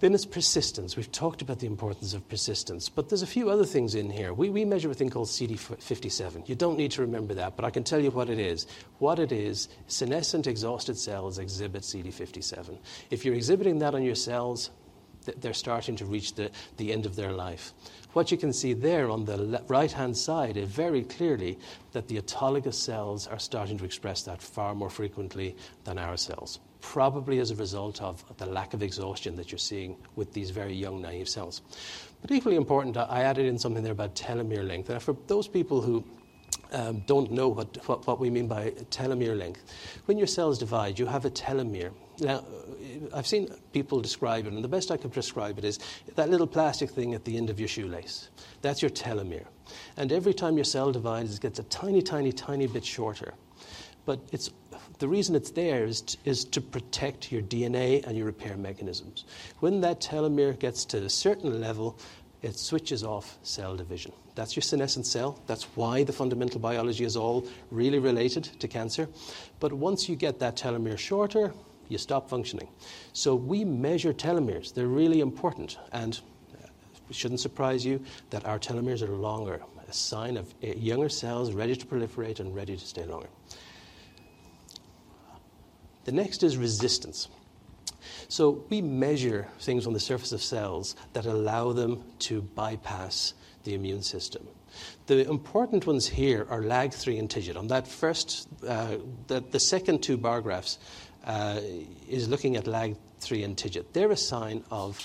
S4: Then there's persistence. We've talked about the importance of persistence, but there's a few other things in here. We measure a thing called CD57. You don't need to remember that, but I can tell you what it is. What it is, senescent exhausted cells exhibit CD57. If you're exhibiting that on your cells, they're starting to reach the end of their life. What you can see there on the right-hand side is very clearly that the autologous cells are starting to express that far more frequently than our cells, probably as a result of the lack of exhaustion that you're seeing with these very young, naive cells. But equally important, I added in something there about telomere length. For those people who don't know what we mean by telomere length, when your cells divide, you have a telomere. Now, I've seen people describe it, and the best I could describe it is that little plastic thing at the end of your shoelace. That's your telomere. Every time your cell divides, it gets a tiny, tiny, tiny bit shorter. But it's the reason it's there is to protect your DNA and your repair mechanisms. When that telomere gets to a certain level, it switches off cell division. That's your senescent cell. That's why the fundamental biology is all really related to cancer. But once you get that telomere shorter, you stop functioning. So we measure telomeres. They're really important, and it shouldn't surprise you that our telomeres are longer, a sign of a younger cells ready to proliferate and ready to stay longer. The next is resistance. So we measure things on the surface of cells that allow them to bypass the immune system. The important ones here are LAG-3 and TIGIT. On that first, the second two bar graphs is looking at LAG-3 and TIGIT. They're a sign of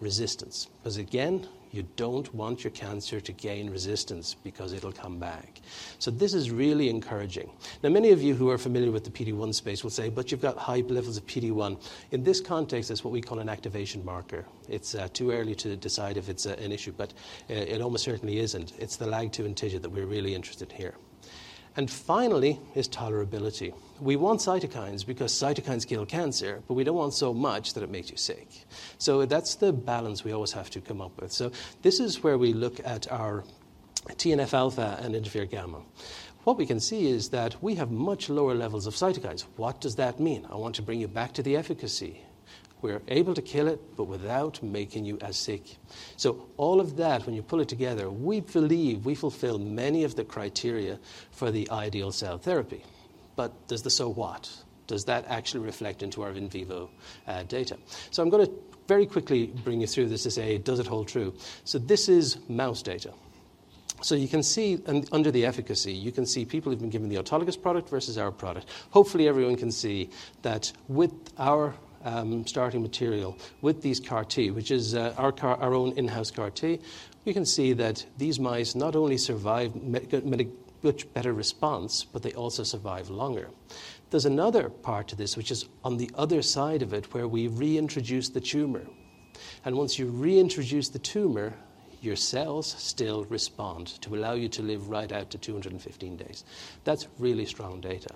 S4: resistance, 'cause again, you don't want your cancer to gain resistance because it'll come back. So this is really encouraging. Now, many of you who are familiar with the PD-1 space will say, "But you've got high levels of PD-1." In this context, that's what we call an activation marker. It's too early to decide if it's an issue, but it almost certainly isn't. It's the LAG-3 and TIGIT that we're really interested here. Finally, is tolerability. We want cytokines because cytokines kill cancer, but we don't want so much that it makes you sick. So that's the balance we always have to come up with. So this is where we look at our TNF-alpha and interferon gamma. What we can see is that we have much lower levels of cytokines. What does that mean? I want to bring you back to the efficacy. We're able to kill it, but without making you as sick. So all of that, when you pull it together, we believe we fulfill many of the criteria for the ideal cell therapy. But there's the so what? Does that actually reflect into our in vivo data? So I'm gonna very quickly bring you through this to say, does it hold true? So this is mouse data. So you can see and under the efficacy, you can see people who've been given the autologous product versus our product. Hopefully, everyone can see that with our starting material, with these CAR T, which is our CAR, our own in-house CAR T, we can see that these mice not only survive much better response, but they also survive longer. There's another part to this, which is on the other side of it, where we reintroduce the tumor, and once you reintroduce the tumor, your cells still respond to allow you to live right out to 215 days. That's really strong data.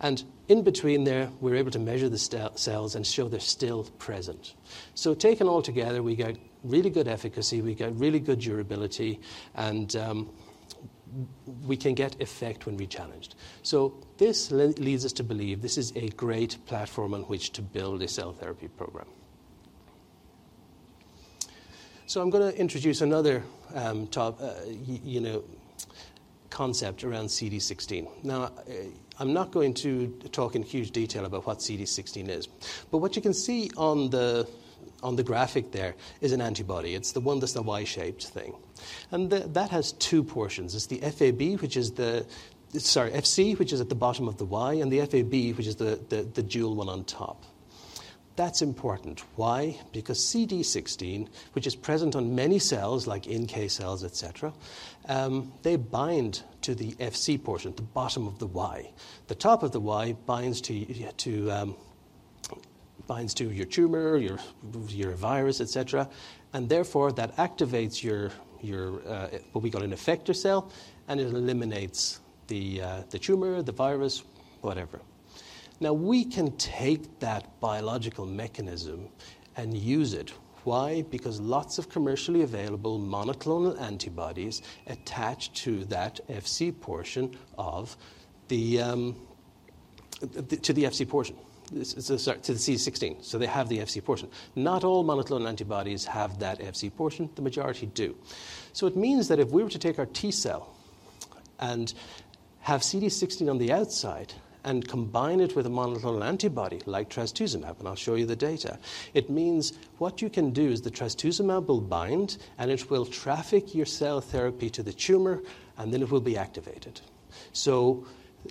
S4: And in between there, we're able to measure the stem cells and show they're still present. So taken all together, we get really good efficacy, we get really good durability, and we can get effect when we challenged. So this leads us to believe this is a great platform on which to build a cell therapy program. So I'm going to introduce another topic, you know, concept around CD16. Now, I'm not going to talk in huge detail about what CD16 is, but what you can see on the graphic there is an antibody. It's the one that's the Y-shaped thing, and that has two portions. It's the Fab, which is the. Sorry, Fc, which is at the bottom of the Y, and the Fab, which is the dual one on top. That's important. Why? Because CD16, which is present on many cells, like NK cells, et cetera, they bind to the Fc portion, the bottom of the Y. The top of the Y binds to your tumor, your virus, et cetera, and therefore, that activates what we call an effector cell, and it eliminates the tumor, the virus, whatever. Now, we can take that biological mechanism and use it. Why? Because lots of commercially available monoclonal antibodies attach to that Fc portion to the CD16, so they have the Fc portion. Not all monoclonal antibodies have that Fc portion. The majority do. So it means that if we were to take our T cell and have CD16 on the outside and combine it with a monoclonal antibody like trastuzumab, and I'll show you the data, it means what you can do is the trastuzumab will bind, and it will traffic your cell therapy to the tumor, and then it will be activated. So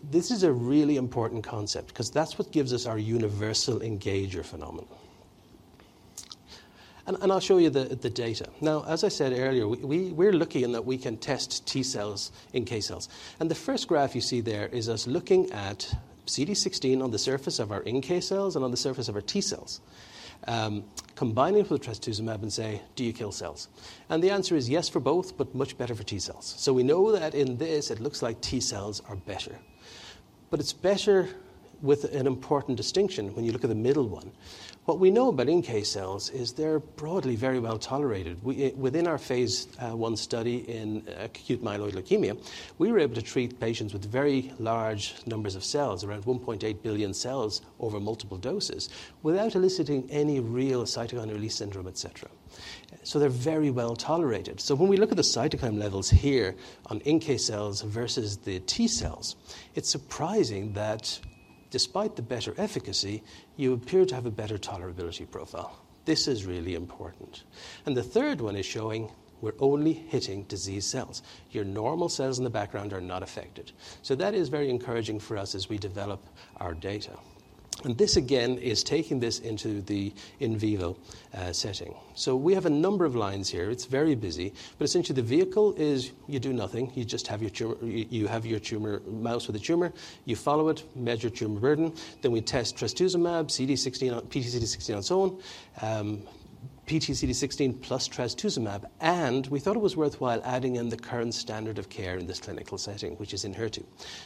S4: this is a really important concept 'cause that's what gives us our universal engager phenomenon. And I'll show you the data. Now, as I said earlier, we're lucky in that we can test T cells, NK cells. And the first graph you see there is us looking at CD16 on the surface of our NK cells and on the surface of our T cells, combining it with trastuzumab and say: Do you kill cells? The answer is yes for both, but much better for T cells. So we know that in this, it looks like T cells are better, but it's better with an important distinction when you look at the middle one. What we know about NK cells is they're broadly very well tolerated. Within our phase 1 study in acute myeloid leukemia, we were able to treat patients with very large numbers of cells, around 1.8 billion cells over multiple doses, without eliciting any real cytokine release syndrome, et cetera. So they're very well tolerated. So when we look at the cytokine levels here on NK cells versus the T cells, it's surprising that despite the better efficacy, you appear to have a better tolerability profile. This is really important. The third one is showing we're only hitting disease cells. Your normal cells in the background are not affected. So that is very encouraging for us as we develop our data. And this, again, is taking this into the in vivo setting. So we have a number of lines here. It's very busy, but essentially the vehicle is you do nothing. You just have your tumor, mouse with a tumor, you follow it, measure tumor burden, then we test Trastuzumab, CD16, pT-CD16, and so on, pT-CD16+ trastuzumab, and we thought it was worthwhile adding in the current standard of care in this clinical setting, which is Enhertu.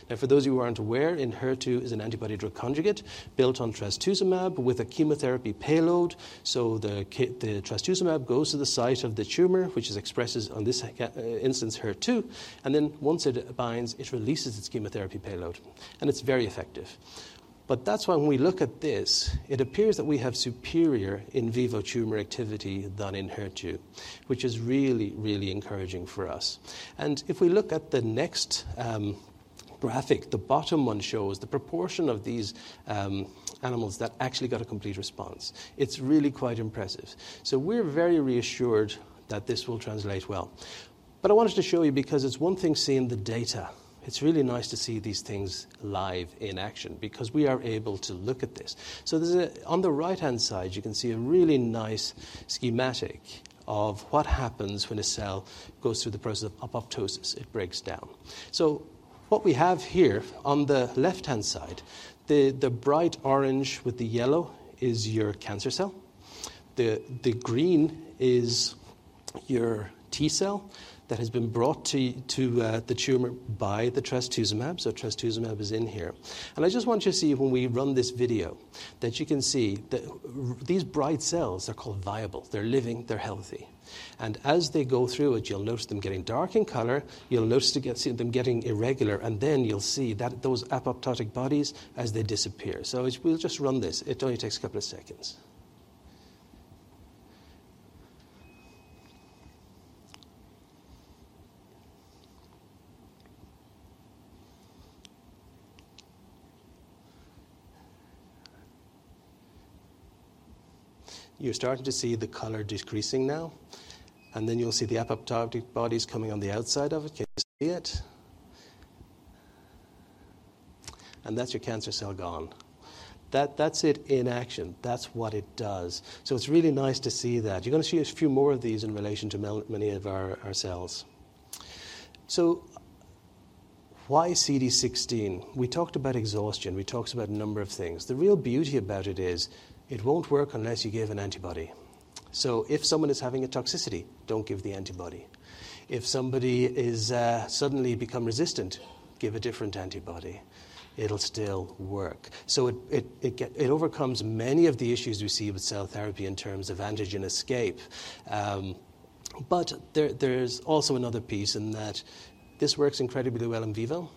S4: Now, for those of you who aren't aware, Enhertu is an antibody-drug conjugate built on trastuzumab with a chemotherapy payload, so the trastuzumab goes to the site of the tumor, which expresses on this instance, Enhertu, and then once it binds, it releases its chemotherapy payload, and it's very effective. That's why when we look at this, it appears that we have superior in vivo tumor activity than Enhertu, which is really, really encouraging for us. If we look at the next graphic, the bottom one shows the proportion of these animals that actually got a complete response. It's really quite impressive. We're very reassured that this will translate well. I wanted to show you because it's one thing seeing the data. It's really nice to see these things live in action because we are able to look at this. So there's a on the right-hand side, you can see a really nice schematic of what happens when a cell goes through the process of apoptosis. It breaks down. So what we have here on the left-hand side, the bright orange with the yellow is your cancer cell. The green is your T cell that has been brought to the tumor by the trastuzumab, so trastuzumab is in here. And I just want you to see when we run this video, that you can see that these bright cells are called viable. They're living, they're healthy, and as they go through it, you'll notice them getting dark in color, you'll notice to get... See them getting irregular, and then you'll see that those apoptotic bodies as they disappear. So we'll just run this. It only takes a couple of seconds. You're starting to see the color decreasing now, and then you'll see the apoptotic bodies coming on the outside of it. Can you see it? And that's your cancer cell gone. That, that's it in action. That's what it does. So it's really nice to see that. You're going to see a few more of these in relation to many of our cells. So why CD16? We talked about exhaustion, we talked about a number of things. The real beauty about it is, it won't work unless you give an antibody. So if someone is having a toxicity, don't give the antibody. If somebody is suddenly become resistant, give a different antibody, it'll still work. So it overcomes many of the issues we see with cell therapy in terms of antigen escape. But there's also another piece in that this works incredibly well in vivo,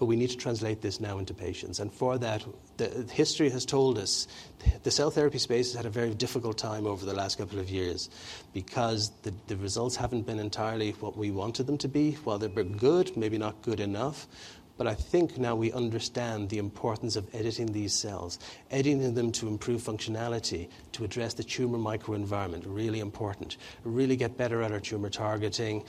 S4: but we need to translate this now into patients. And for that, the history has told us the cell therapy space has had a very difficult time over the last couple of years because the results haven't been entirely what we wanted them to be. While they've been good, maybe not good enough. But I think now we understand the importance of editing these cells, editing them to improve functionality, to address the tumor microenvironment, really important, really get better at our tumor targeting.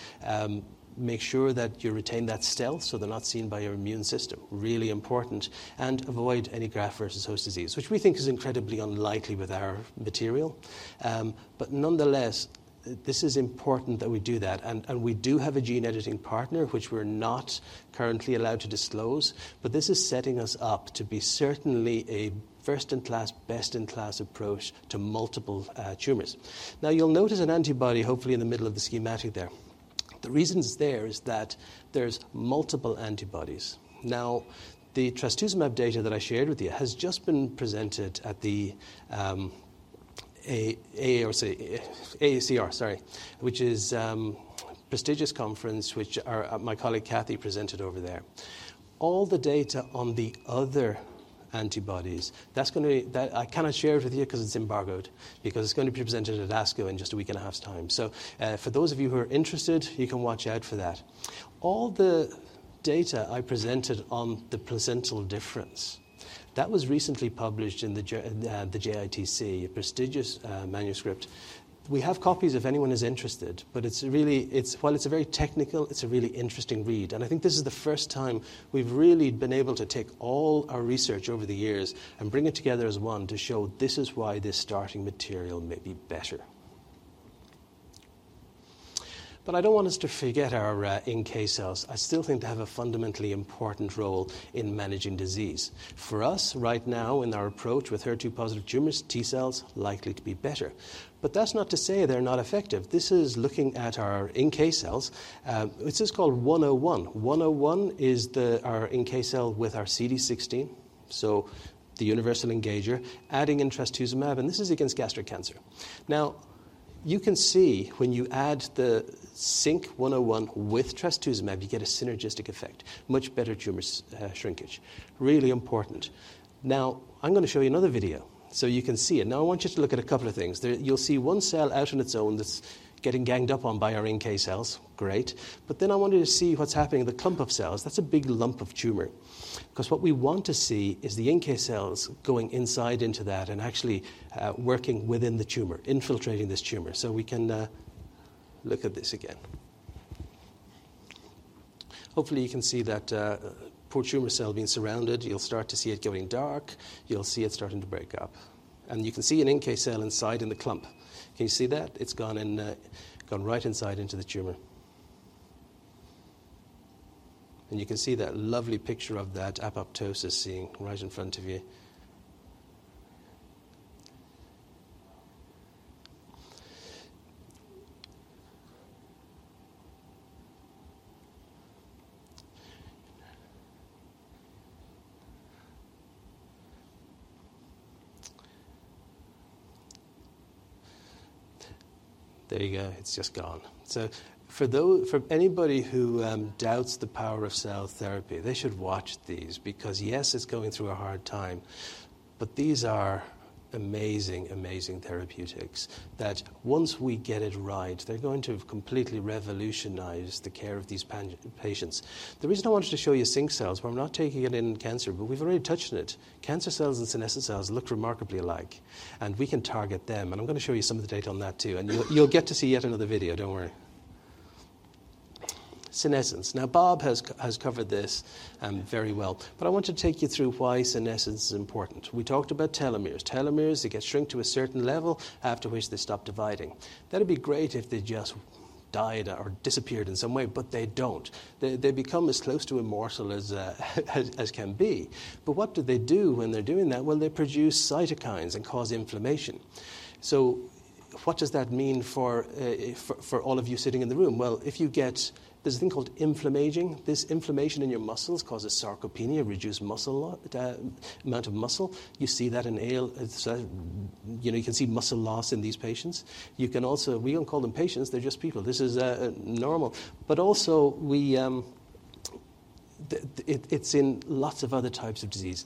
S4: Make sure that you retain that stealth so they're not seen by your immune system, really important, and avoid any graft versus host disease, which we think is incredibly unlikely with our material. But nonetheless, this is important that we do that, and, and we do have a gene editing partner, which we're not currently allowed to disclose. But this is setting us up to be certainly a first-in-class, best-in-class approach to multiple tumors. Now, you'll notice an antibody, hopefully, in the middle of the schematic there. The reason it's there is that there's multiple antibodies. Now, the trastuzumab data that I shared with you has just been presented at the AACR, sorry, which is prestigious conference, which my colleague Katy presented over there. All the data on the other antibodies, that I cannot share it with you 'cause it's embargoed, because it's gonna be presented at ASCO in just a week and a half's time. So, for those of you who are interested, you can watch out for that. All the data I presented on the placental difference, that was recently published in the J, the JITC, a prestigious manuscript. We have copies if anyone is interested, but while it's a very technical, it's a really interesting read, and I think this is the first time we've really been able to take all our research over the years and bring it together as one to show this is why this starting material may be better. But I don't want us to forget our NK cells. I still think they have a fundamentally important role in managing disease. For us, right now, in our approach with HER2 positive tumors, T cells likely to be better. But that's not to say they're not effective. This is looking at our NK cells. This is called 101. 101 is the, our NK cell with our CD16, so the universal engager, adding in trastuzumab, and this is against gastric cancer. Now, you can see when you add the SYNK-101 with trastuzumab, you get a synergistic effect, much better tumor shrinkage. Really important. Now, I'm gonna show you another video so you can see it. Now, I want you to look at a couple of things. You'll see one cell out on its own that's getting ganged up on by our NK cells. Great. But then I want you to see what's happening in the clump of cells. That's a big lump of tumor. 'Cause what we want to see is the NK cells going inside into that and actually working within the tumor, infiltrating this tumor. So we can look at this again. Hopefully, you can see that, poor tumor cell being surrounded. You'll start to see it getting dark. You'll see it starting to break up, and you can see an NK cell inside in the clump. Can you see that? It's gone in, gone right inside into the tumor. And you can see that lovely picture of that apoptosis scene right in front of you. There you go. It's just gone. So for anybody who doubts the power of cell therapy, they should watch these because, yes, it's going through a hard time, but these are amazing, amazing therapeutics that once we get it right, they're going to have completely revolutionized the care of these patients. The reason I wanted to show you cells, but I'm not taking it in cancer, but we've already touched on it. Cancer cells and senescent cells look remarkably alike, and we can target them, and I'm gonna show you some of the data on that, too. And you, you'll get to see yet another video. Don't worry. Senescence. Now, Bob has covered this very well, but I want to take you through why senescence is important. We talked about telomeres. Telomeres, they get shrunk to a certain level, after which they stop dividing. That'd be great if they just died or disappeared in some way, but they don't. They become as close to immortal as can be. But what do they do when they're doing that? Well, they produce cytokines and cause inflammation. So what does that mean for all of you sitting in the room? Well, if you get. There's a thing called inflammaging. This inflammation in your muscles causes sarcopenia, reduced muscle amount of muscle. You see that. It's you know, you can see muscle loss in these patients. You can also... We don't call them patients, they're just people. This is normal. But also, it's in lots of other types of disease.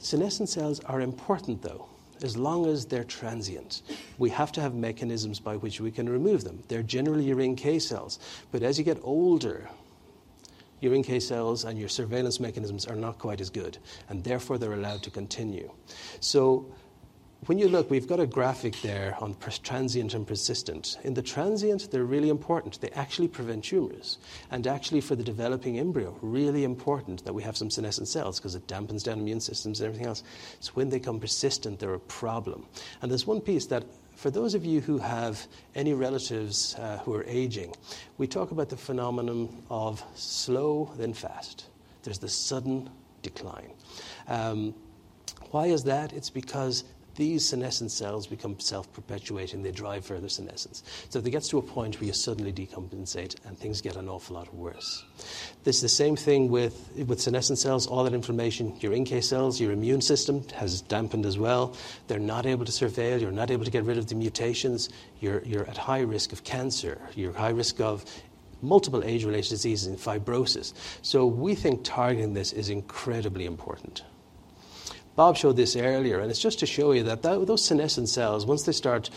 S4: Senescent cells are important, though, as long as they're transient. We have to have mechanisms by which we can remove them. They're generally your NK cells, but as you get older, your NK cells and your surveillance mechanisms are not quite as good, and therefore, they're allowed to continue. So when you look, we've got a graphic there on transient and persistent. In the transient, they're really important. They actually prevent tumors, and actually, for the developing embryo, really important that we have some senescent cells 'cause it dampens down immune systems and everything else. It's when they become persistent, they're a problem. And there's one piece that for those of you who have any relatives, who are aging, we talk about the phenomenon of slow then fast. There's the sudden decline. Why is that? It's because these senescent cells become self-perpetuating, they drive further senescence. So it gets to a point where you suddenly decompensate, and things get an awful lot worse. This is the same thing with senescent cells, all that inflammation, your NK cells, your immune system has dampened as well. They're not able to surveil, you're not able to get rid of the mutations, you're at high risk of cancer, you're at high risk of multiple age-related diseases and fibrosis. So we think targeting this is incredibly important. Bob showed this earlier, and it's just to show you that those senescent cells, once they start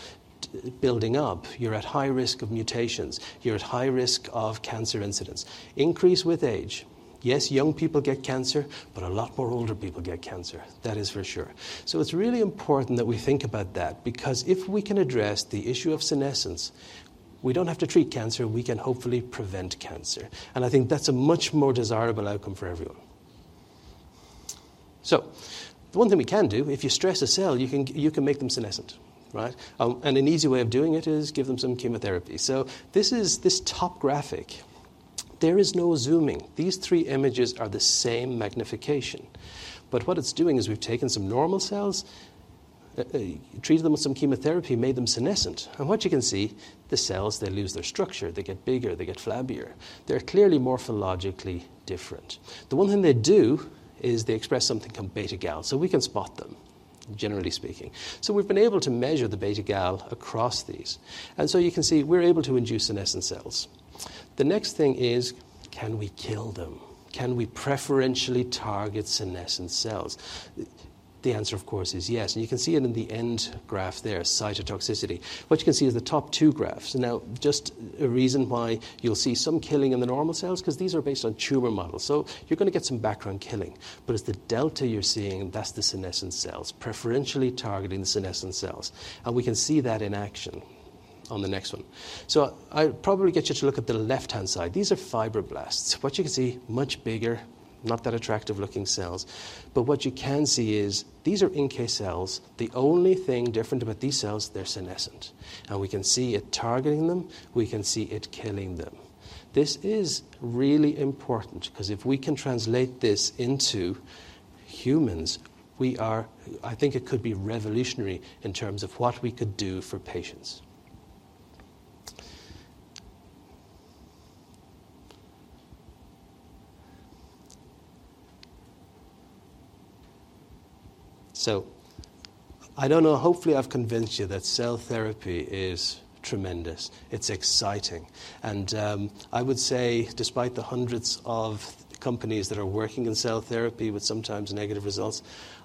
S4: building up, you're at high risk of mutations, you're at high risk of cancer incidence increase with age. Yes, young people get cancer, but a lot more older people get cancer. That is for sure. So it's really important that we think about that, because if we can address the issue of senescence, we don't have to treat cancer, we can hopefully prevent cancer. I think that's a much more desirable outcome for everyone. So the one thing we can do, if you stress a cell, you can, you can make them senescent, right? And an easy way of doing it is give them some chemotherapy. So this is, this top graphic, there is no zooming. These three images are the same magnification, but what it's doing is we've taken some normal cells, treated them with some chemotherapy, made them senescent. And what you can see, the cells, they lose their structure, they get bigger, they get flabbier. They're clearly morphologically different. The one thing they do is they express something called beta-gal, so we can spot them, generally speaking. So we've been able to measure the beta-gal across these, and so you can see we're able to induce senescent cells. The next thing is, can we kill them? Can we preferentially target senescent cells? The answer, of course, is yes, and you can see it in the end graph there, cytotoxicity. What you can see is the top two graphs. Now, just a reason why you'll see some killing in the normal cells, 'cause these are based on tumor models, so you're going to get some background killing. But it's the delta you're seeing, that's the senescent cells, preferentially targeting the senescent cells, and we can see that in action on the next one. So I'll probably get you to look at the left-hand side. These are fibroblasts. What you can see, much bigger, not that attractive-looking cells. But what you can see is these are NK cells. The only thing different about these cells, they're senescent, and we can see it targeting them, we can see it killing them. This is really important, 'cause if we can translate this into humans, we are. I think it could be revolutionary in terms of what we could do for patients. So I don't know, hopefully, I've convinced you that cell therapy is tremendous. It's exciting, and I would say despite the hundreds of companies that are working in cell therapy with sometimes negative results,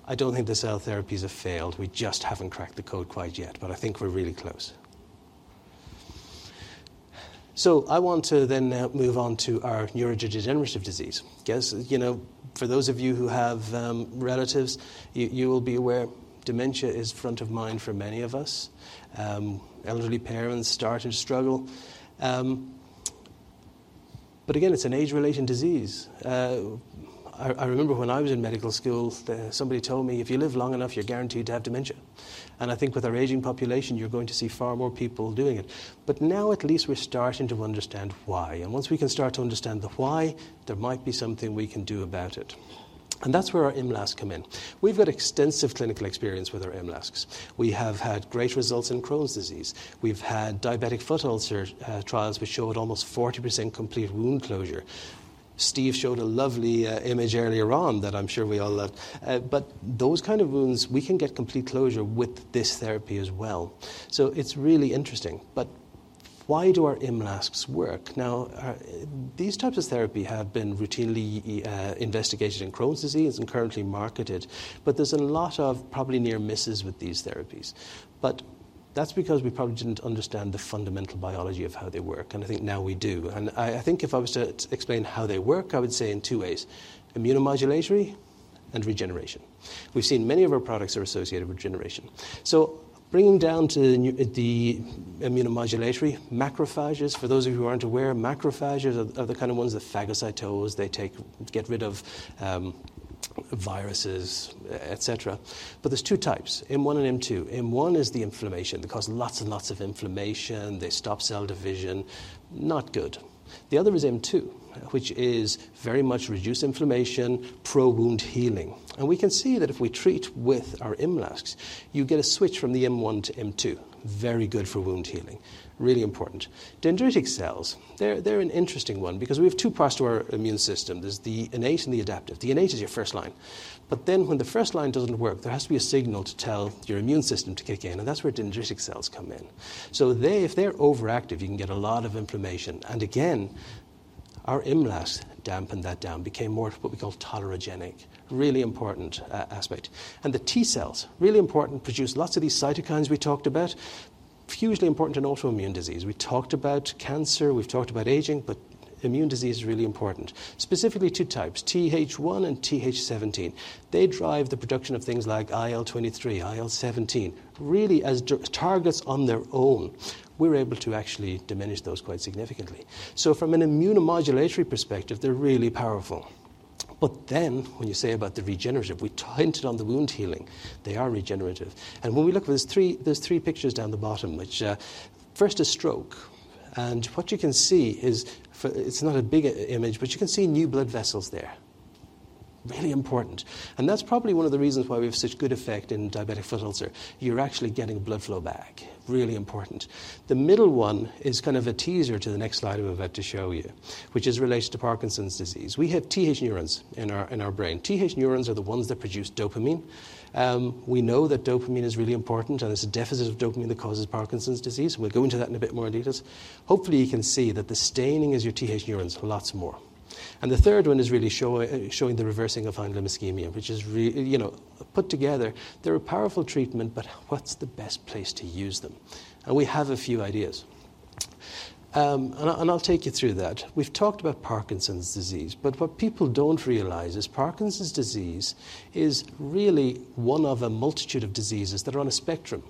S4: I don't think the cell therapies have failed. We just haven't cracked the code quite yet, but I think we're really close. So I want to then now move on to our neurodegenerative disease. Guess, you know, for those of you who have relatives, you will be aware dementia is front of mind for many of us, elderly parents start to struggle. But again, it's an age-related disease. I remember when I was in medical school, somebody told me, "If you live long enough, you're guaranteed to have dementia." And I think with our aging population, you're going to see far more people doing it. But now at least we're starting to understand why, and once we can start to understand the why, there might be something we can do about it, and that's where our MLASCs come in. We've got extensive clinical experience with our MLASCs. We have had great results in Crohn's disease. We've had diabetic foot ulcer trials, which showed almost 40% complete wound closure. Steve showed a lovely image earlier on that I'm sure we all loved, but those kind of wounds, we can get complete closure with this therapy as well. So it's really interesting. But why do our MLASCs work? Now, these types of therapy have been routinely investigated in Crohn's disease and currently marketed, but there's a lot of probably near misses with these therapies. But that's because we probably didn't understand the fundamental biology of how they work, and I think now we do. I think if I was to explain how they work, I would say in two ways: immunomodulatory and regeneration. We've seen many of our products are associated with regeneration. So the immunomodulatory macrophages, for those of you who aren't aware, macrophages are the kind of ones that phagocytose, they get rid of viruses, et cetera. But there's two types, M1 and M2. M1 is the inflammation. They cause lots and lots of inflammation, they stop cell division. Not good. The other is M2, which is very much reduced inflammation, pro-wound healing, and we can see that if we treat with our MLASCs, you get a switch from the M1 to M2. Very good for wound healing. Really important. Dendritic cells, they're an interesting one because we have two parts to our immune system. There's the innate and the adaptive. The innate is your first line, but then when the first line doesn't work, there has to be a signal to tell your immune system to kick in, and that's where dendritic cells come in. So they, if they're overactive, you can get a lot of inflammation. And again, our MLASCs dampened that down, became more of what we call tolerogenic. Really important aspect. And the T cells, really important, produce lots of these cytokines we talked about. Hugely important in autoimmune disease. We talked about cancer, we've talked about aging, but immune disease is really important, specifically two types, Th1 and Th17. They drive the production of things like IL-23, IL-17. Really, as targets on their own, we're able to actually diminish those quite significantly. So from an immunomodulatory perspective, they're really powerful. But then, when you say about the regenerative, we hinted on the wound healing. They are regenerative. And when we look, there's three pictures down the bottom, which, first is stroke. And what you can see is it's not a big image, but you can see new blood vessels there. Really important. And that's probably one of the reasons why we have such good effect in diabetic foot ulcer. You're actually getting blood flow back. Really important. The middle one is kind of a teaser to the next slide I'm about to show you, which is related to Parkinson's disease. We have TH neurons in our, in our brain. TH neurons are the ones that produce dopamine. We know that dopamine is really important, and it's a deficit of dopamine that causes Parkinson's disease. We'll go into that in a bit more details. Hopefully, you can see that the staining is your TH neurons, lots more. And the third one is really showing the reversing of limb ischemia, which is, you know, put together, they're a powerful treatment, but what's the best place to use them? And we have a few ideas. And I'll take you through that. We've talked about Parkinson's disease, but what people don't realize is Parkinson's disease is really one of a multitude of diseases that are on a spectrum.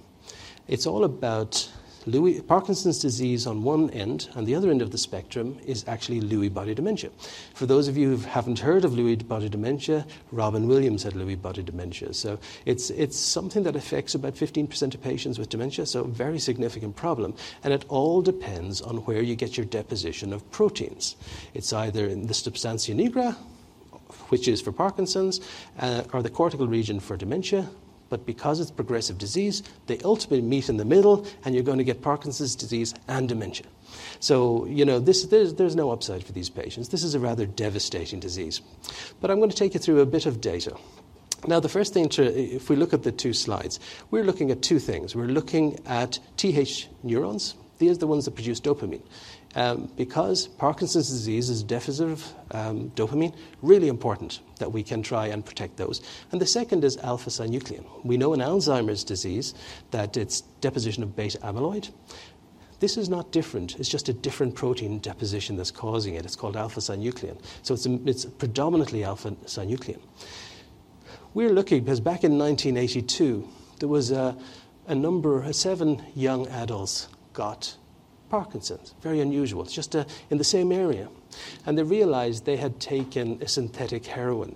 S4: It's all about Lewy bodies. Parkinson's disease on one end, and the other end of the spectrum is actually Lewy body dementia. For those of you who haven't heard of Lewy body dementia, Robin Williams had Lewy body dementia, so it's something that affects about 15% of patients with dementia, so a very significant problem. And it all depends on where you get your deposition of proteins. It's either in the substantia nigra, which is for Parkinson's, or the cortical region for dementia. But because it's progressive disease, they ultimately meet in the middle, and you're gonna get Parkinson's disease and dementia. So, you know, this, there's no upside for these patients. This is a rather devastating disease. But I'm gonna take you through a bit of data. Now, the first thing to, if we look at the two slides, we're looking at two things. We're looking at TH neurons. These are the ones that produce dopamine. Because Parkinson's disease is deficit of dopamine, really important that we can try and protect those. And the second is alpha-synuclein. We know in Alzheimer's disease that it's deposition of beta-amyloid. This is not different, it's just a different protein deposition that's causing it. It's called alpha-synuclein, so it's, it's predominantly alpha-synuclein. We're looking, 'cause back in 1982, there was a number, seven young adults got Parkinson's. Very unusual. It's just, in the same area. And they realized they had taken a synthetic heroin,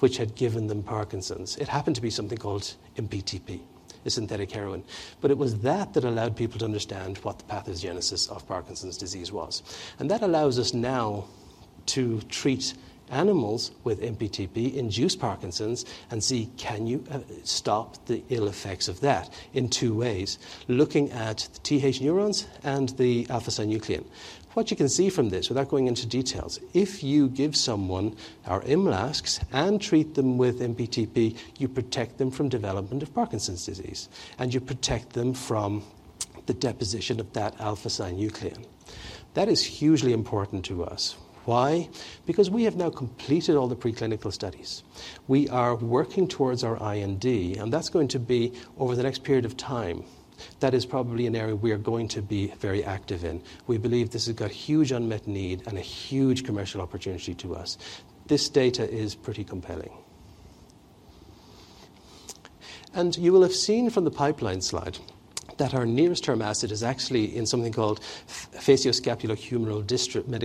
S4: which had given them Parkinson's. It happened to be something called MPTP, a synthetic heroin. But it was that that allowed people to understand what the pathogenesis of Parkinson's disease was. And that allows us now to treat animals with MPTP, induce Parkinson's, and see, can you stop the ill effects of that in two ways: looking at the TH neurons and the alpha-synuclein. What you can see from this, without going into details, if you give someone our MLASCs and treat them with MPTP, you protect them from development of Parkinson's disease, and you protect them from the deposition of that alpha-synuclein. That is hugely important to us. Why? Because we have now completed all the preclinical studies. We are working towards our IND, and that's going to be over the next period of time. That is probably an area we are going to be very active in. We believe this has got huge unmet need and a huge commercial opportunity to us. This data is pretty compelling. You will have seen from the pipeline slide that our nearest term asset is actually in something called facioscapulohumeral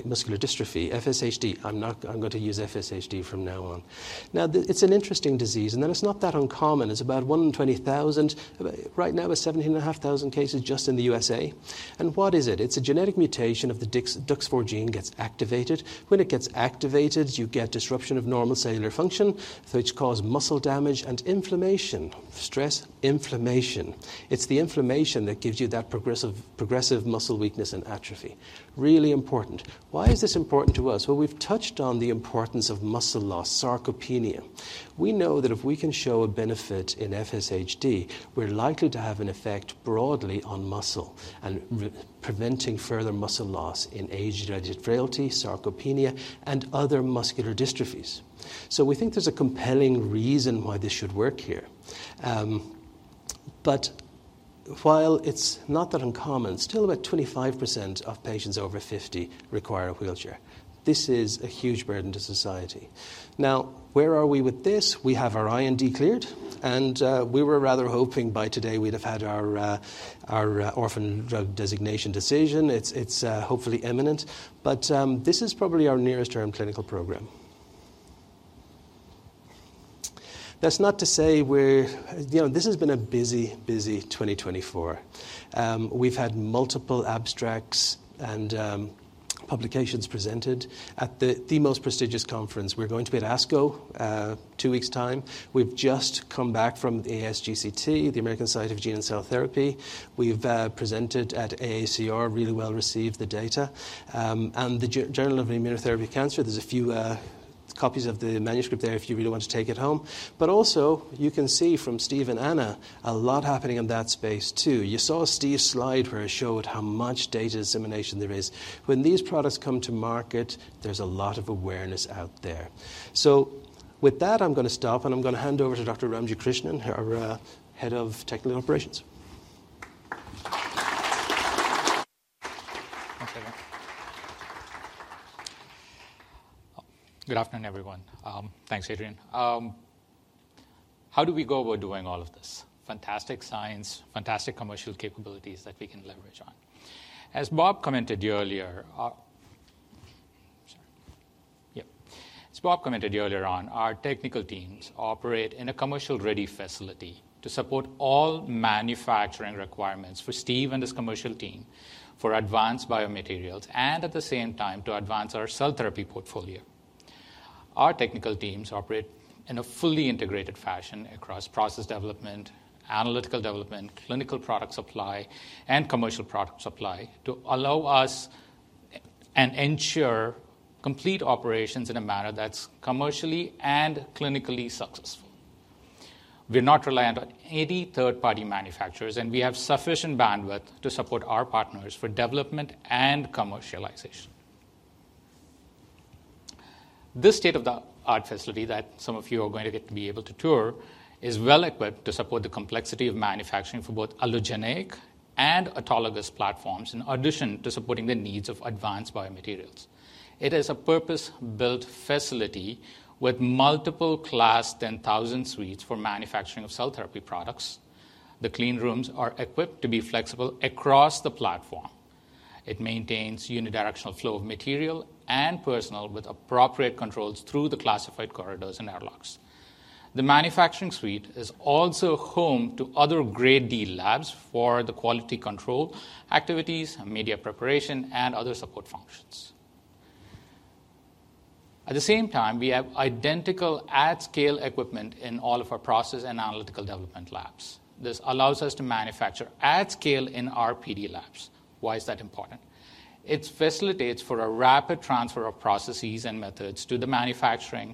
S4: muscular dystrophy, FSHD. I'm going to use FSHD from now on. Now, it's an interesting disease, and it's not that uncommon. It's about one in twenty thousand. Right now, it's 17,500 cases just in the USA. What is it? It's a genetic mutation of the DUX4 gene gets activated. When it gets activated, you get disruption of normal cellular function, which cause muscle damage and inflammation, stress, inflammation. It's the inflammation that gives you that progressive, progressive muscle weakness and atrophy. Really important. Why is this important to us? Well, we've touched on the importance of muscle loss, sarcopenia. We know that if we can show a benefit in FSHD, we're likely to have an effect broadly on muscle and preventing further muscle loss in age-related frailty, sarcopenia, and other muscular dystrophies. So we think there's a compelling reason why this should work here. But while it's not that uncommon, still about 25% of patients over 50 require a wheelchair. This is a huge burden to society. Now, where are we with this? We have our IND cleared, and we were rather hoping by today we'd have had our orphan drug designation decision. It's hopefully imminent, but this is probably our nearest term clinical program. That's not to say we're you know, this has been a busy, busy 2024. We've had multiple abstracts and publications presented at the most prestigious conference. We're going to be at ASCO two weeks' time. We've just come back from the ASGCT, the American Society of Gene and Cell Therapy. We've presented at AACR, really well received the data, and the Journal of Immunotherapy of Cancer, there's a few copies of the manuscript there, if you really want to take it home. But also, you can see from Steve and Anna, a lot happening in that space, too. You saw Steve's slide where it showed how much data dissemination there is. When these products come to market, there's a lot of awareness out there. So with that, I'm gonna stop, and I'm gonna hand over to Dr. Ramji Krishnan, our head of technical operations.
S5: Good afternoon, everyone. Thanks, Adrian. How do we go about doing all of this? Fantastic science, fantastic commercial capabilities that we can leverage on. As Bob commented earlier on, our technical teams operate in a commercial-ready facility to support all manufacturing requirements for Steve and his commercial team for advanced biomaterials, and at the same time, to advance our cell therapy portfolio. Our technical teams operate in a fully integrated fashion across process development, analytical development, clinical product supply, and commercial product supply to allow us and ensure complete operations in a manner that's commercially and clinically successful. We're not reliant on any third-party manufacturers, and we have sufficient bandwidth to support our partners for development and commercialization. This state-of-the-art facility that some of you are going to get to be able to tour is well equipped to support the complexity of manufacturing for both allogeneic and autologous platforms, in addition to supporting the needs of advanced biomaterials. It is a purpose-built facility with multiple Class 10,000 suites for manufacturing of cell therapy products. The clean rooms are equipped to be flexible across the platform. It maintains unidirectional flow of material and personnel with appropriate controls through the classified corridors and airlocks. The manufacturing suite is also home to other Grade D labs for the quality control activities, media preparation, and other support functions. At the same time, we have identical at-scale equipment in all of our process and analytical development labs. This allows us to manufacture at scale in our PD labs. Why is that important? It facilitates for a rapid transfer of processes and methods to the manufacturing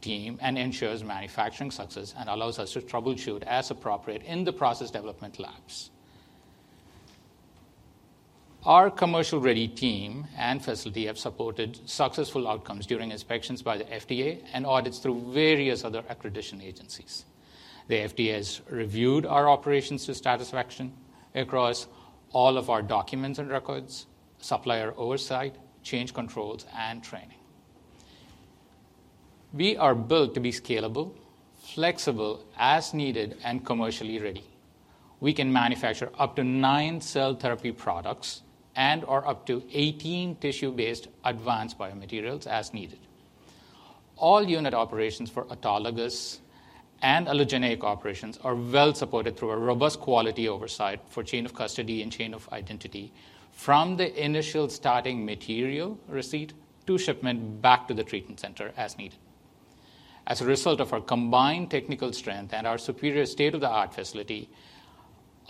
S5: team and ensures manufacturing success, and allows us to troubleshoot as appropriate in the process development labs. Our commercial-ready team and facility have supported successful outcomes during inspections by the FDA and audits through various other accreditation agencies. The FDA has reviewed our operations to satisfaction across all of our documents and records, supplier oversight, change controls, and training. We are built to be scalable, flexible as needed, and commercially ready. We can manufacture up to nine cell therapy products and/or up to 18 tissue-based advanced biomaterials as needed. All unit operations for autologous and allogeneic operations are well supported through a robust quality oversight for chain of custody and chain of identity, from the initial starting material receipt to shipment back to the treatment center as needed. As a result of our combined technical strength and our superior state-of-the-art facility,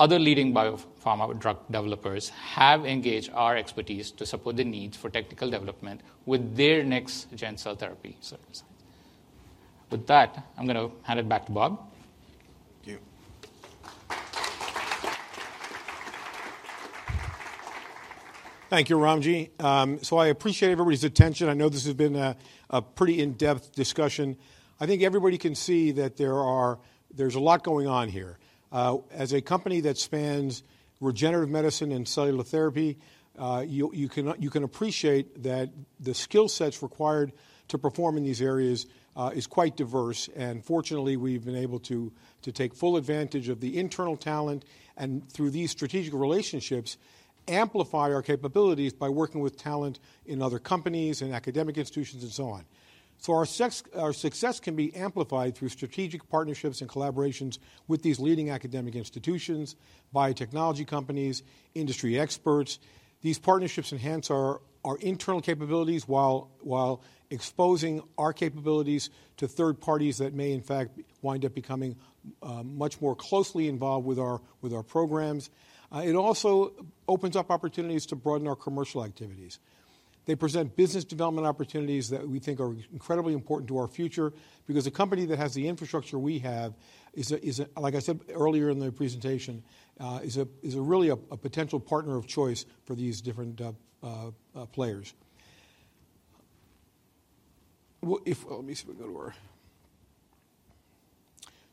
S5: other leading biopharma drug developers have engaged our expertise to support the needs for technical development with their next-gen cell therapy services. With that, I'm going to hand it back to Bob.
S1: Thank you. Thank you, Ramji. So I appreciate everybody's attention. I know this has been a pretty in-depth discussion. I think everybody can see that there's a lot going on here. As a company that spans regenerative medicine and cellular therapy, you can appreciate that the skill sets required to perform in these areas is quite diverse, and fortunately, we've been able to take full advantage of the internal talent, and through these strategic relationships, amplify our capabilities by working with talent in other companies and academic institutions and so on. So our success can be amplified through strategic partnerships and collaborations with these leading academic institutions, biotechnology companies, industry experts. These partnerships enhance our internal capabilities while exposing our capabilities to third parties that may, in fact, wind up becoming much more closely involved with our programs. It also opens up opportunities to broaden our commercial activities. They present business development opportunities that we think are incredibly important to our future, because a company that has the infrastructure we have is a... like I said earlier in the presentation, is really a potential partner of choice for these different players. What if— Let me see if I can go to work.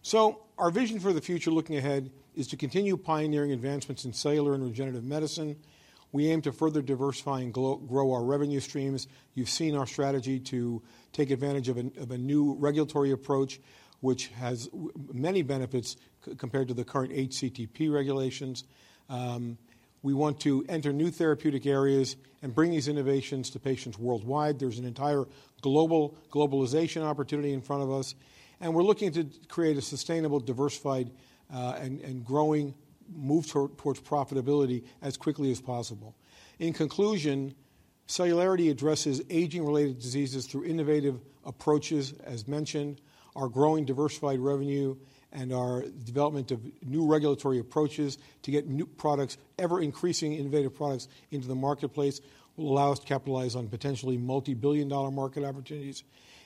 S1: So our vision for the future, looking ahead, is to continue pioneering advancements in cellular and regenerative medicine. We aim to further diversify and grow our revenue streams. You've seen our strategy to take advantage of a new regulatory approach, which has many benefits compared to the current HCT/P regulations. We want to enter new therapeutic areas and bring these innovations to patients worldwide. There's an entire globalization opportunity in front of us, and we're looking to create a sustainable, diversified, and growing move towards profitability as quickly as possible. In conclusion, Celularity addresses aging-related diseases through innovative approaches, as mentioned, our growing diversified revenue and our development of new regulatory approaches to get new products, ever-increasing innovative products into the marketplace, will allow us to capitalize on potentially multi-billion dollar market opportunities.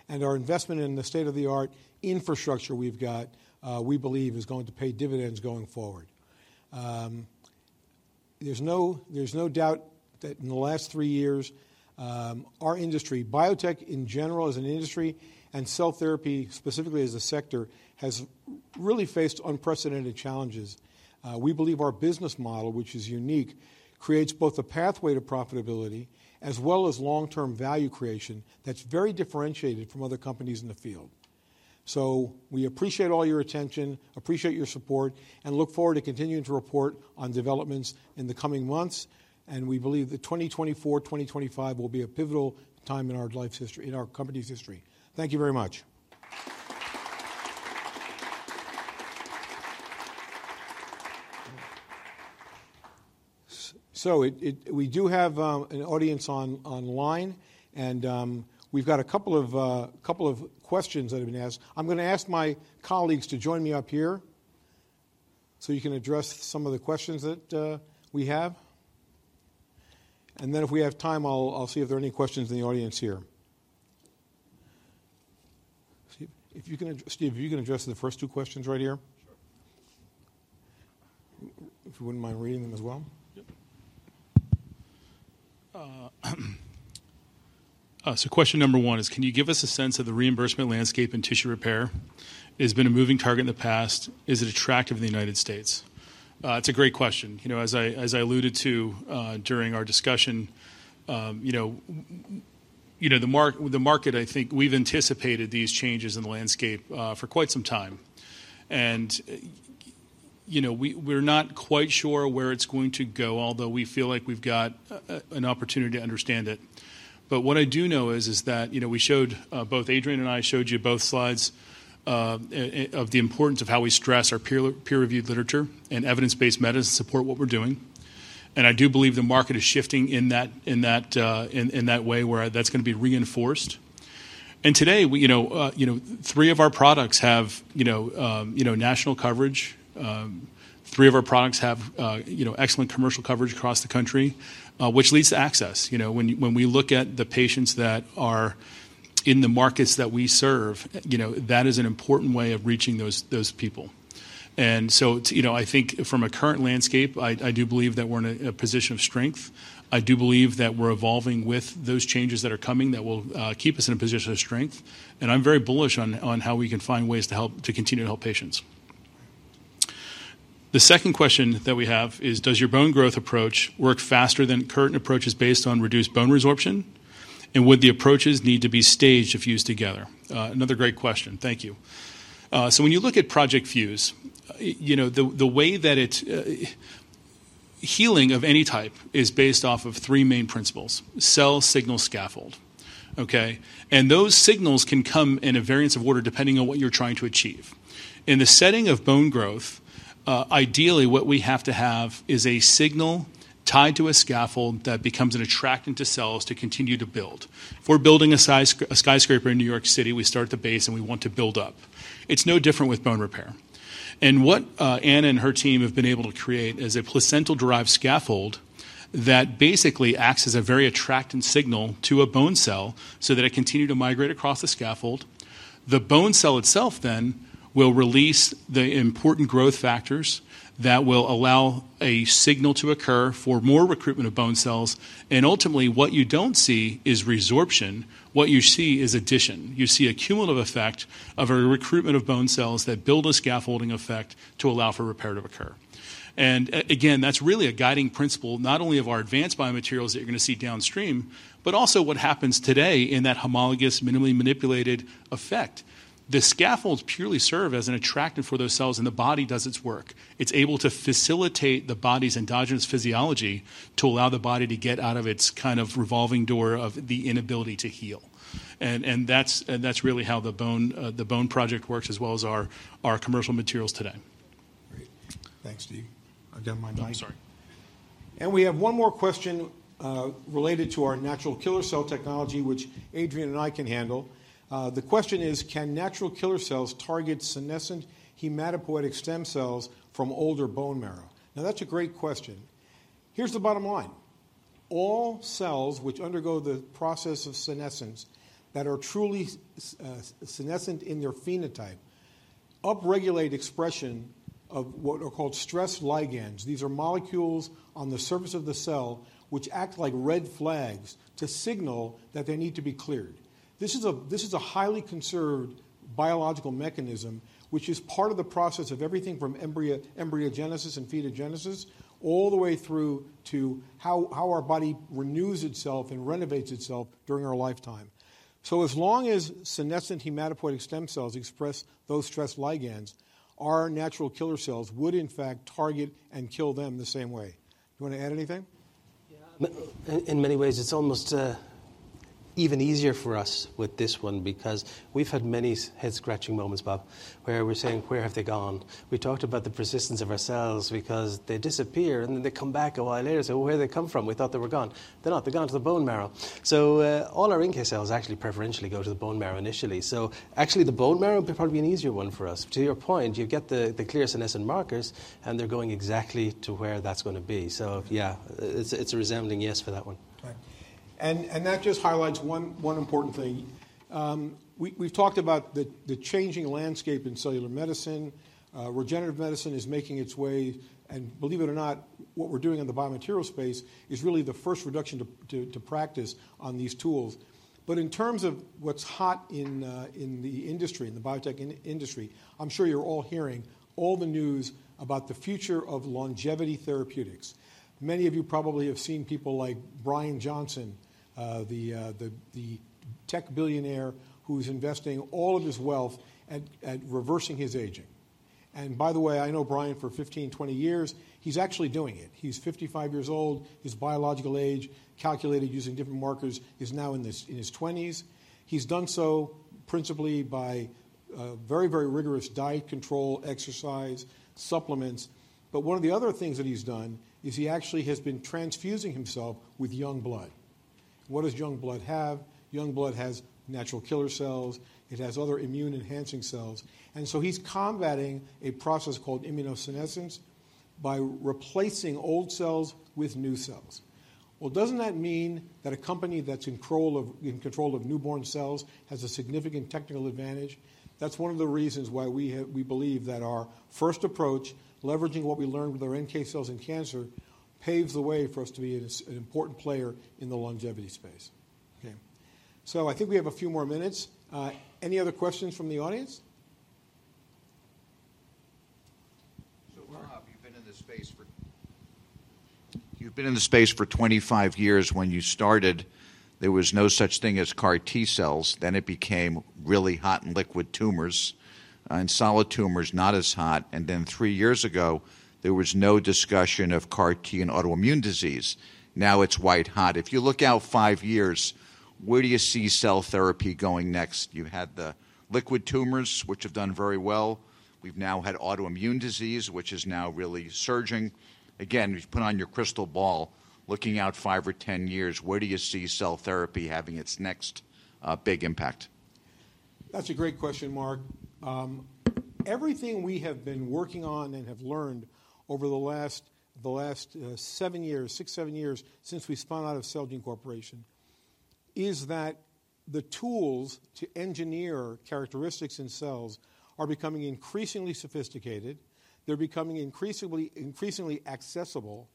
S1: Our investment in the state-of-the-art infrastructure we've got, we believe, is going to pay dividends going forward. There's no, there's no doubt that in the last three years, our industry, biotech in general, as an industry and cell therapy, specifically as a sector, has really faced unprecedented challenges. We believe our business model, which is unique, creates both a pathway to profitability as well as long-term value creation that's very differentiated from other companies in the field.... We appreciate all your attention, appreciate your support, and look forward to continuing to report on developments in the coming months, and we believe that 2024, 2025 will be a pivotal time in our company's history. Thank you very much. So it, it, we do have an audience online, and we've got a couple of questions that have been asked. I'm gonna ask my colleagues to join me up here, so you can address some of the questions that we have. And then if we have time, I'll see if there are any questions in the audience here. Steve, if you can address the first two questions right here.
S2: Sure.
S1: If you wouldn't mind reading them as well.
S2: Yep. So question number one is: can you give us a sense of the reimbursement landscape in tissue repair? It's been a moving target in the past. Is it attractive in the United States? It's a great question. You know, as I alluded to during our discussion, you know, the market, I think we've anticipated these changes in the landscape for quite some time. And, you know, we, we're not quite sure where it's going to go, although we feel like we've got an opportunity to understand it. But what I do know is that, you know, we showed, both Adrian and I showed you both slides of the importance of how we stress our peer-reviewed literature and evidence-based medicine to support what we're doing. And I do believe the market is shifting in that way, where that's gonna be reinforced. And today, you know, three of our products have, you know, national coverage. Three of our products have, you know, excellent commercial coverage across the country, which leads to access. You know, when we look at the patients that are in the markets that we serve, you know, that is an important way of reaching those people. And so, you know, I think from a current landscape, I do believe that we're in a position of strength. I do believe that we're evolving with those changes that are coming that will keep us in a position of strength, and I'm very bullish on how we can find ways to help, to continue to help patients. The second question that we have is: Does your bone growth approach work faster than current approaches based on reduced bone resorption? And would the approaches need to be staged if used together? Another great question. Thank you. So when you look at Project Fuse, you know, healing of any type is based off of three main principles: cell, signal, scaffold, okay? And those signals can come in a variance of order, depending on what you're trying to achieve. In the setting of bone growth, ideally, what we have to have is a signal tied to a scaffold that becomes an attractant to cells to continue to build. If we're building a skyscraper in New York City, we start at the base, and we want to build up. It's no different with bone repair. And what, Anna and her team have been able to create is a placental-derived scaffold that basically acts as a very attractant signal to a bone cell so that it continue to migrate across the scaffold. The bone cell itself then will release the important growth factors that will allow a signal to occur for more recruitment of bone cells, and ultimately, what you don't see is resorption. What you see is addition. You see a cumulative effect of a recruitment of bone cells that build a scaffolding effect to allow for repair to occur. And again, that's really a guiding principle, not only of our advanced biomaterials that you're going to see downstream, but also what happens today in that homologous, minimally manipulated effect. The scaffolds purely serve as an attractant for those cells, and the body does its work. It's able to facilitate the body's endogenous physiology to allow the body to get out of its kind of revolving door of the inability to heal. And that's really how the bone project works, as well as our commercial materials today.
S1: Great. Thanks, Steve. I've done my mic?
S2: Oh, sorry.
S1: We have one more question related to our natural killer cell technology, which Adrian and I can handle. The question is: Can natural killer cells target senescent hematopoietic stem cells from older bone marrow? Now, that's a great question. Here's the bottom line: all cells which undergo the process of senescence that are truly senescent in their phenotype upregulate expression of what are called stress ligands. These are molecules on the surface of the cell, which act like red flags to signal that they need to be cleared. This is a highly conserved biological mechanism, which is part of the process of everything from embryogenesis and fetogenesis, all the way through to how our body renews itself and renovates itself during our lifetime. So as long as senescent hematopoietic stem cells express those stress ligands, our natural killer cells would, in fact, target and kill them the same way. Do you want to add anything?
S4: Yeah. In many ways, it's almost even easier for us with this one because we've had many head-scratching moments, Bob, where we're saying: "Where have they gone?" We talked about the persistence of our cells because they disappear, and then they come back a while later. So where did they come from? We thought they were gone. They're not. They've gone to the bone marrow. So all our NK cells actually preferentially go to the bone marrow initially. So actually, the bone marrow would be probably an easier one for us. To your point, you get the clear senescent markers, and they're going exactly to where that's gonna be. So yeah, it's a resounding yes for that one.
S1: Right. And that just highlights one important thing. We've talked about the changing landscape in cellular medicine. Regenerative medicine is making its way, and believe it or not, what we're doing in the biomaterial space is really the first reduction to practice on these tools. But in terms of what's hot in the industry, in the biotech industry, I'm sure you're all hearing all the news about the future of longevity therapeutics. Many of you probably have seen people like Bryan Johnson, the tech billionaire who's investing all of his wealth at reversing his aging... And by the way, I know Bryan for 15, 20 years, he's actually doing it. He's 55 years old. His biological age, calculated using different markers, is now in his twenties. He's done so principally by very, very rigorous diet control, exercise, supplements. But one of the other things that he's done is he actually has been transfusing himself with young blood. What does young blood have? Young blood has natural killer cells, it has other immune-enhancing cells, and so he's combating a process called immunosenescence by replacing old cells with new cells. Well, doesn't that mean that a company that's in control of newborn cells has a significant technical advantage? That's one of the reasons why we believe that our first approach, leveraging what we learned with our NK cells in cancer, paves the way for us to be an important player in the longevity space. Okay, so I think we have a few more minutes. Any other questions from the audience?
S6: So, Bob, you've been in the space for 25 years. When you started, there was no such thing as CAR T cells. Then it became really hot in liquid tumors and solid tumors, not as hot, and then 3 years ago, there was no discussion of CAR T in autoimmune disease. Now it's white hot. If you look out 5 years, where do you see cell therapy going next? You had the liquid tumors, which have done very well. We've now had autoimmune disease, which is now really surging. Again, if you put on your crystal ball, looking out five or 10 years, where do you see cell therapy having its next big impact?
S1: That's a great question, Mark. Everything we have been working on and have learned over the last seven years, six, seven years, since we spun out of Celgene Corporation, is that the tools to engineer characteristics in cells are becoming increasingly sophisticated. They're becoming increasingly accessible,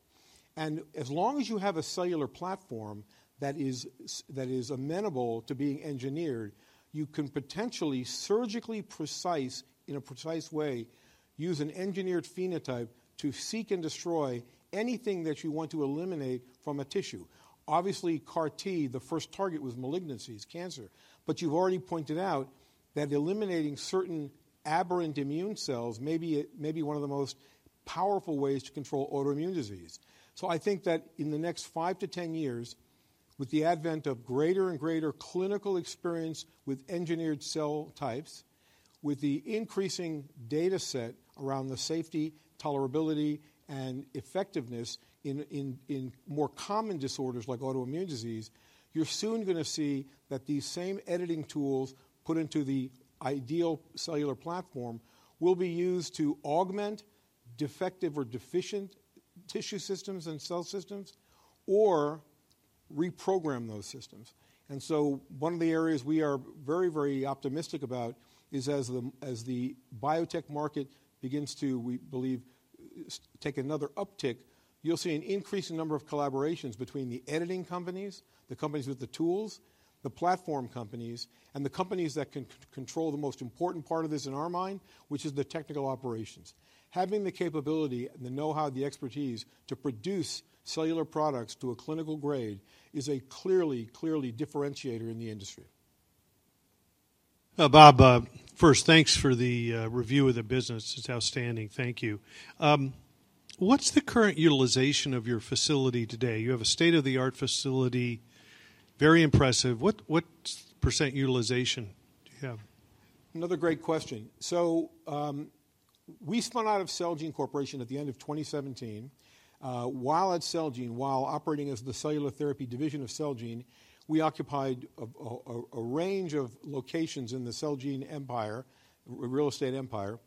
S1: and as long as you have a cellular platform that is that is amenable to being engineered, you can potentially surgically precise in a precise way, use an engineered phenotype to seek and destroy anything that you want to eliminate from a tissue. Obviously, CAR T, the first target was malignancies, cancer, but you've already pointed out that eliminating certain aberrant immune cells may be, may be one of the most powerful ways to control autoimmune disease. So I think that in the next 5-10 years, with the advent of greater and greater clinical experience with engineered cell types, with the increasing data set around the safety, tolerability, and effectiveness in more common disorders like autoimmune disease, you're soon gonna see that these same editing tools put into the ideal cellular platform will be used to augment defective or deficient tissue systems and cell systems or reprogram those systems. And so one of the areas we are very, very optimistic about is as the biotech market begins to, we believe, take another uptick, you'll see an increasing number of collaborations between the editing companies, the companies with the tools, the platform companies, and the companies that control the most important part of this in our mind, which is the technical operations. Having the capability and the know-how, the expertise to produce cellular products to a clinical grade is a clearly, clearly differentiator in the industry.
S7: Bob, first, thanks for the review of the business. It's outstanding. Thank you. What's the current utilization of your facility today? You have a state-of-the-art facility, very impressive. What % utilization do you have?
S1: Another great question. So, we spun out of Celgene Corporation at the end of 2017. While at Celgene, while operating as the cellular therapy division of Celgene, we occupied a range of locations in the Celgene empire, real estate empire.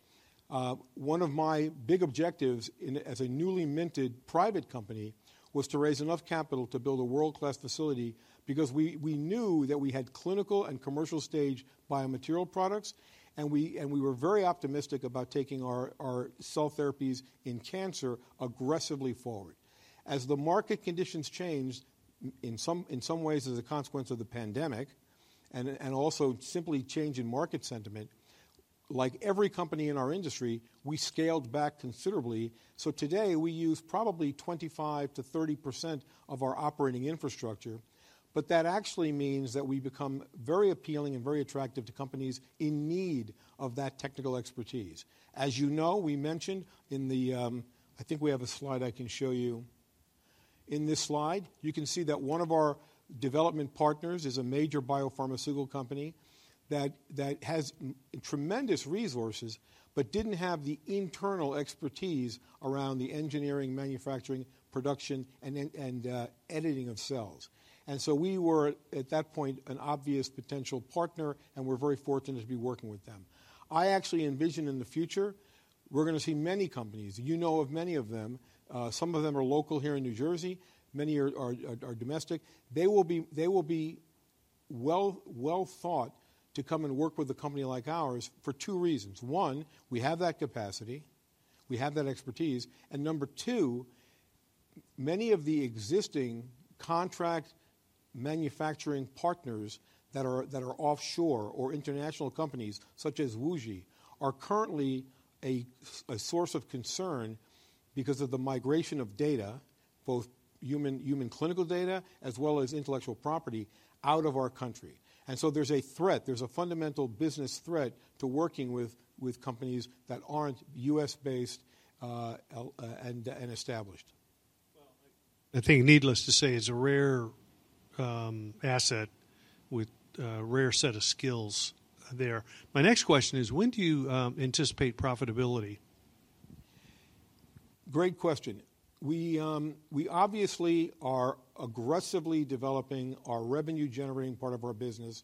S1: One of my big objectives as a newly minted private company was to raise enough capital to build a world-class facility because we knew that we had clinical and commercial stage biomaterial products, and we were very optimistic about taking our cell therapies in cancer aggressively forward. As the market conditions changed, in some ways, as a consequence of the pandemic and also simply change in market sentiment, like every company in our industry, we scaled back considerably. So today, we use probably 25%-30% of our operating infrastructure, but that actually means that we become very appealing and very attractive to companies in need of that technical expertise. As you know, we mentioned in the, I think we have a slide I can show you. In this slide, you can see that one of our development partners is a major biopharmaceutical company that has tremendous resources but didn't have the internal expertise around the engineering, manufacturing, production, and editing of cells. And so we were, at that point, an obvious potential partner, and we're very fortunate to be working with them. I actually envision in the future, we're gonna see many companies, you know of many of them, some of them are local here in New Jersey, many are domestic. They will be well thought to come and work with a company like ours for two reasons: one, we have that capacity, we have that expertise, and number two, many of the existing contract manufacturing partners that are offshore or international companies such as WuXi are currently a source of concern because of the migration of data, both human clinical data as well as intellectual property, out of our country. And so there's a threat, there's a fundamental business threat to working with companies that aren't U.S.-based and established.
S7: Well, I think needless to say, it's a rare asset with a rare set of skills there. My next question is: when do you anticipate profitability?
S1: Great question. We obviously are aggressively developing our revenue-generating part of our business.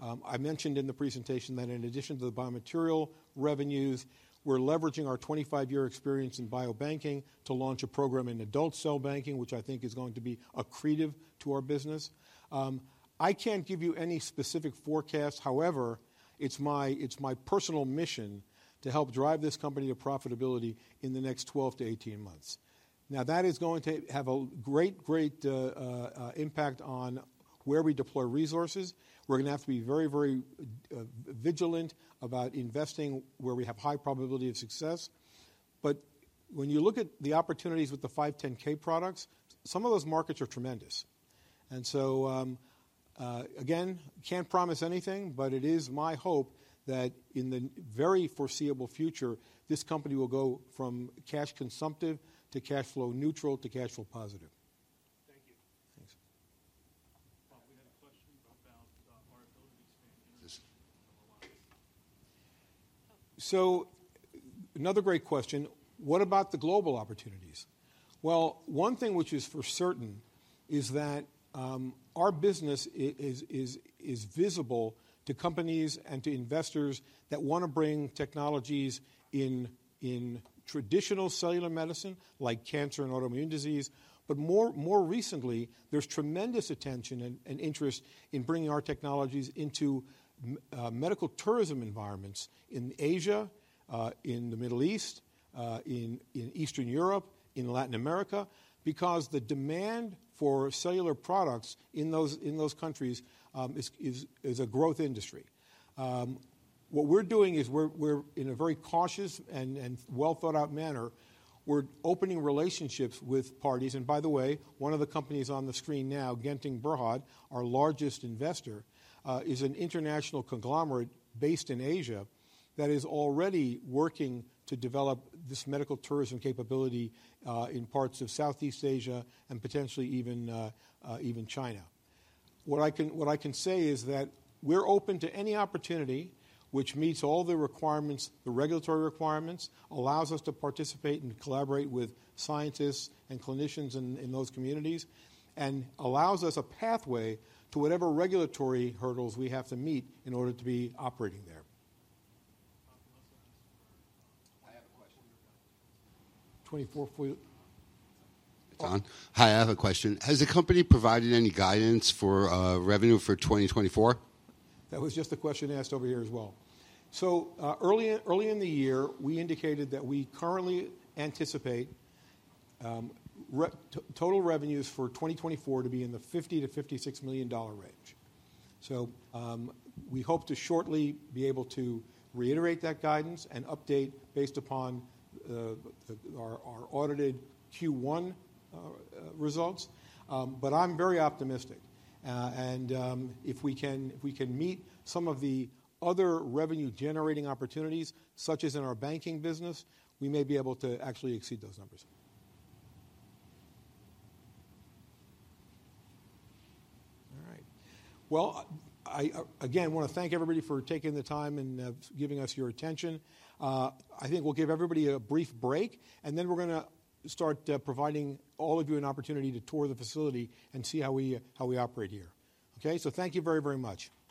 S1: I mentioned in the presentation that in addition to the biomaterial revenues, we're leveraging our 25-year experience in biobanking to launch a program in adult cell banking, which I think is going to be accretive to our business. I can't give you any specific forecast. However, it's my personal mission to help drive this company to profitability in the next 12-18 months. Now, that is going to have a great, great impact on where we deploy resources. We're gonna have to be very, very vigilant about investing where we have high probability of success. But when you look at the opportunities with the 510(k) products, some of those markets are tremendous. Again, can't promise anything, but it is my hope that in the very foreseeable future, this company will go from cash-consumptive to cash flow neutral to cash flow positive.
S7: Thank you.
S1: Thanks.
S7: Bob, we had a question about our ability to expand-
S1: Yes
S7: -online.
S1: So another great question: What about the global opportunities? Well, one thing which is for certain is that, our business is visible to companies and to investors that wanna bring technologies in traditional cellular medicine, like cancer and autoimmune disease. But more recently, there's tremendous attention and interest in bringing our technologies into medical tourism environments in Asia, in the Middle East, in Eastern Europe, in Latin America, because the demand for cellular products in those countries is a growth industry. What we're doing is we're in a very cautious and well-thought-out manner, we're opening relationships with parties. And by the way, one of the companies on the screen now, Genting Berhad, our largest investor, is an international conglomerate based in Asia, that is already working to develop this medical tourism capability, in parts of Southeast Asia and potentially even, even China. What I can, what I can say is that we're open to any opportunity which meets all the requirements, the regulatory requirements, allows us to participate and collaborate with scientists and clinicians in, in those communities, and allows us a pathway to whatever regulatory hurdles we have to meet in order to be operating there.
S7: Bob, one second. I have a question.
S1: 24 for you.
S7: It's on? Hi, I have a question. Has the company provided any guidance for revenue for 2024?
S1: That was just the question asked over here as well. So, early in the year, we indicated that we currently anticipate total revenues for 2024 to be in the $50-$56 million range. So, we hope to shortly be able to reiterate that guidance and update based upon our audited Q1 results. But I'm very optimistic. And, if we can meet some of the other revenue-generating opportunities, such as in our banking business, we may be able to actually exceed those numbers. All right. Well, I again wanna thank everybody for taking the time and giving us your attention. I think we'll give everybody a brief break, and then we're gonna start providing all of you an opportunity to tour the facility and see how we, how we operate here. Okay? So thank you very, very much.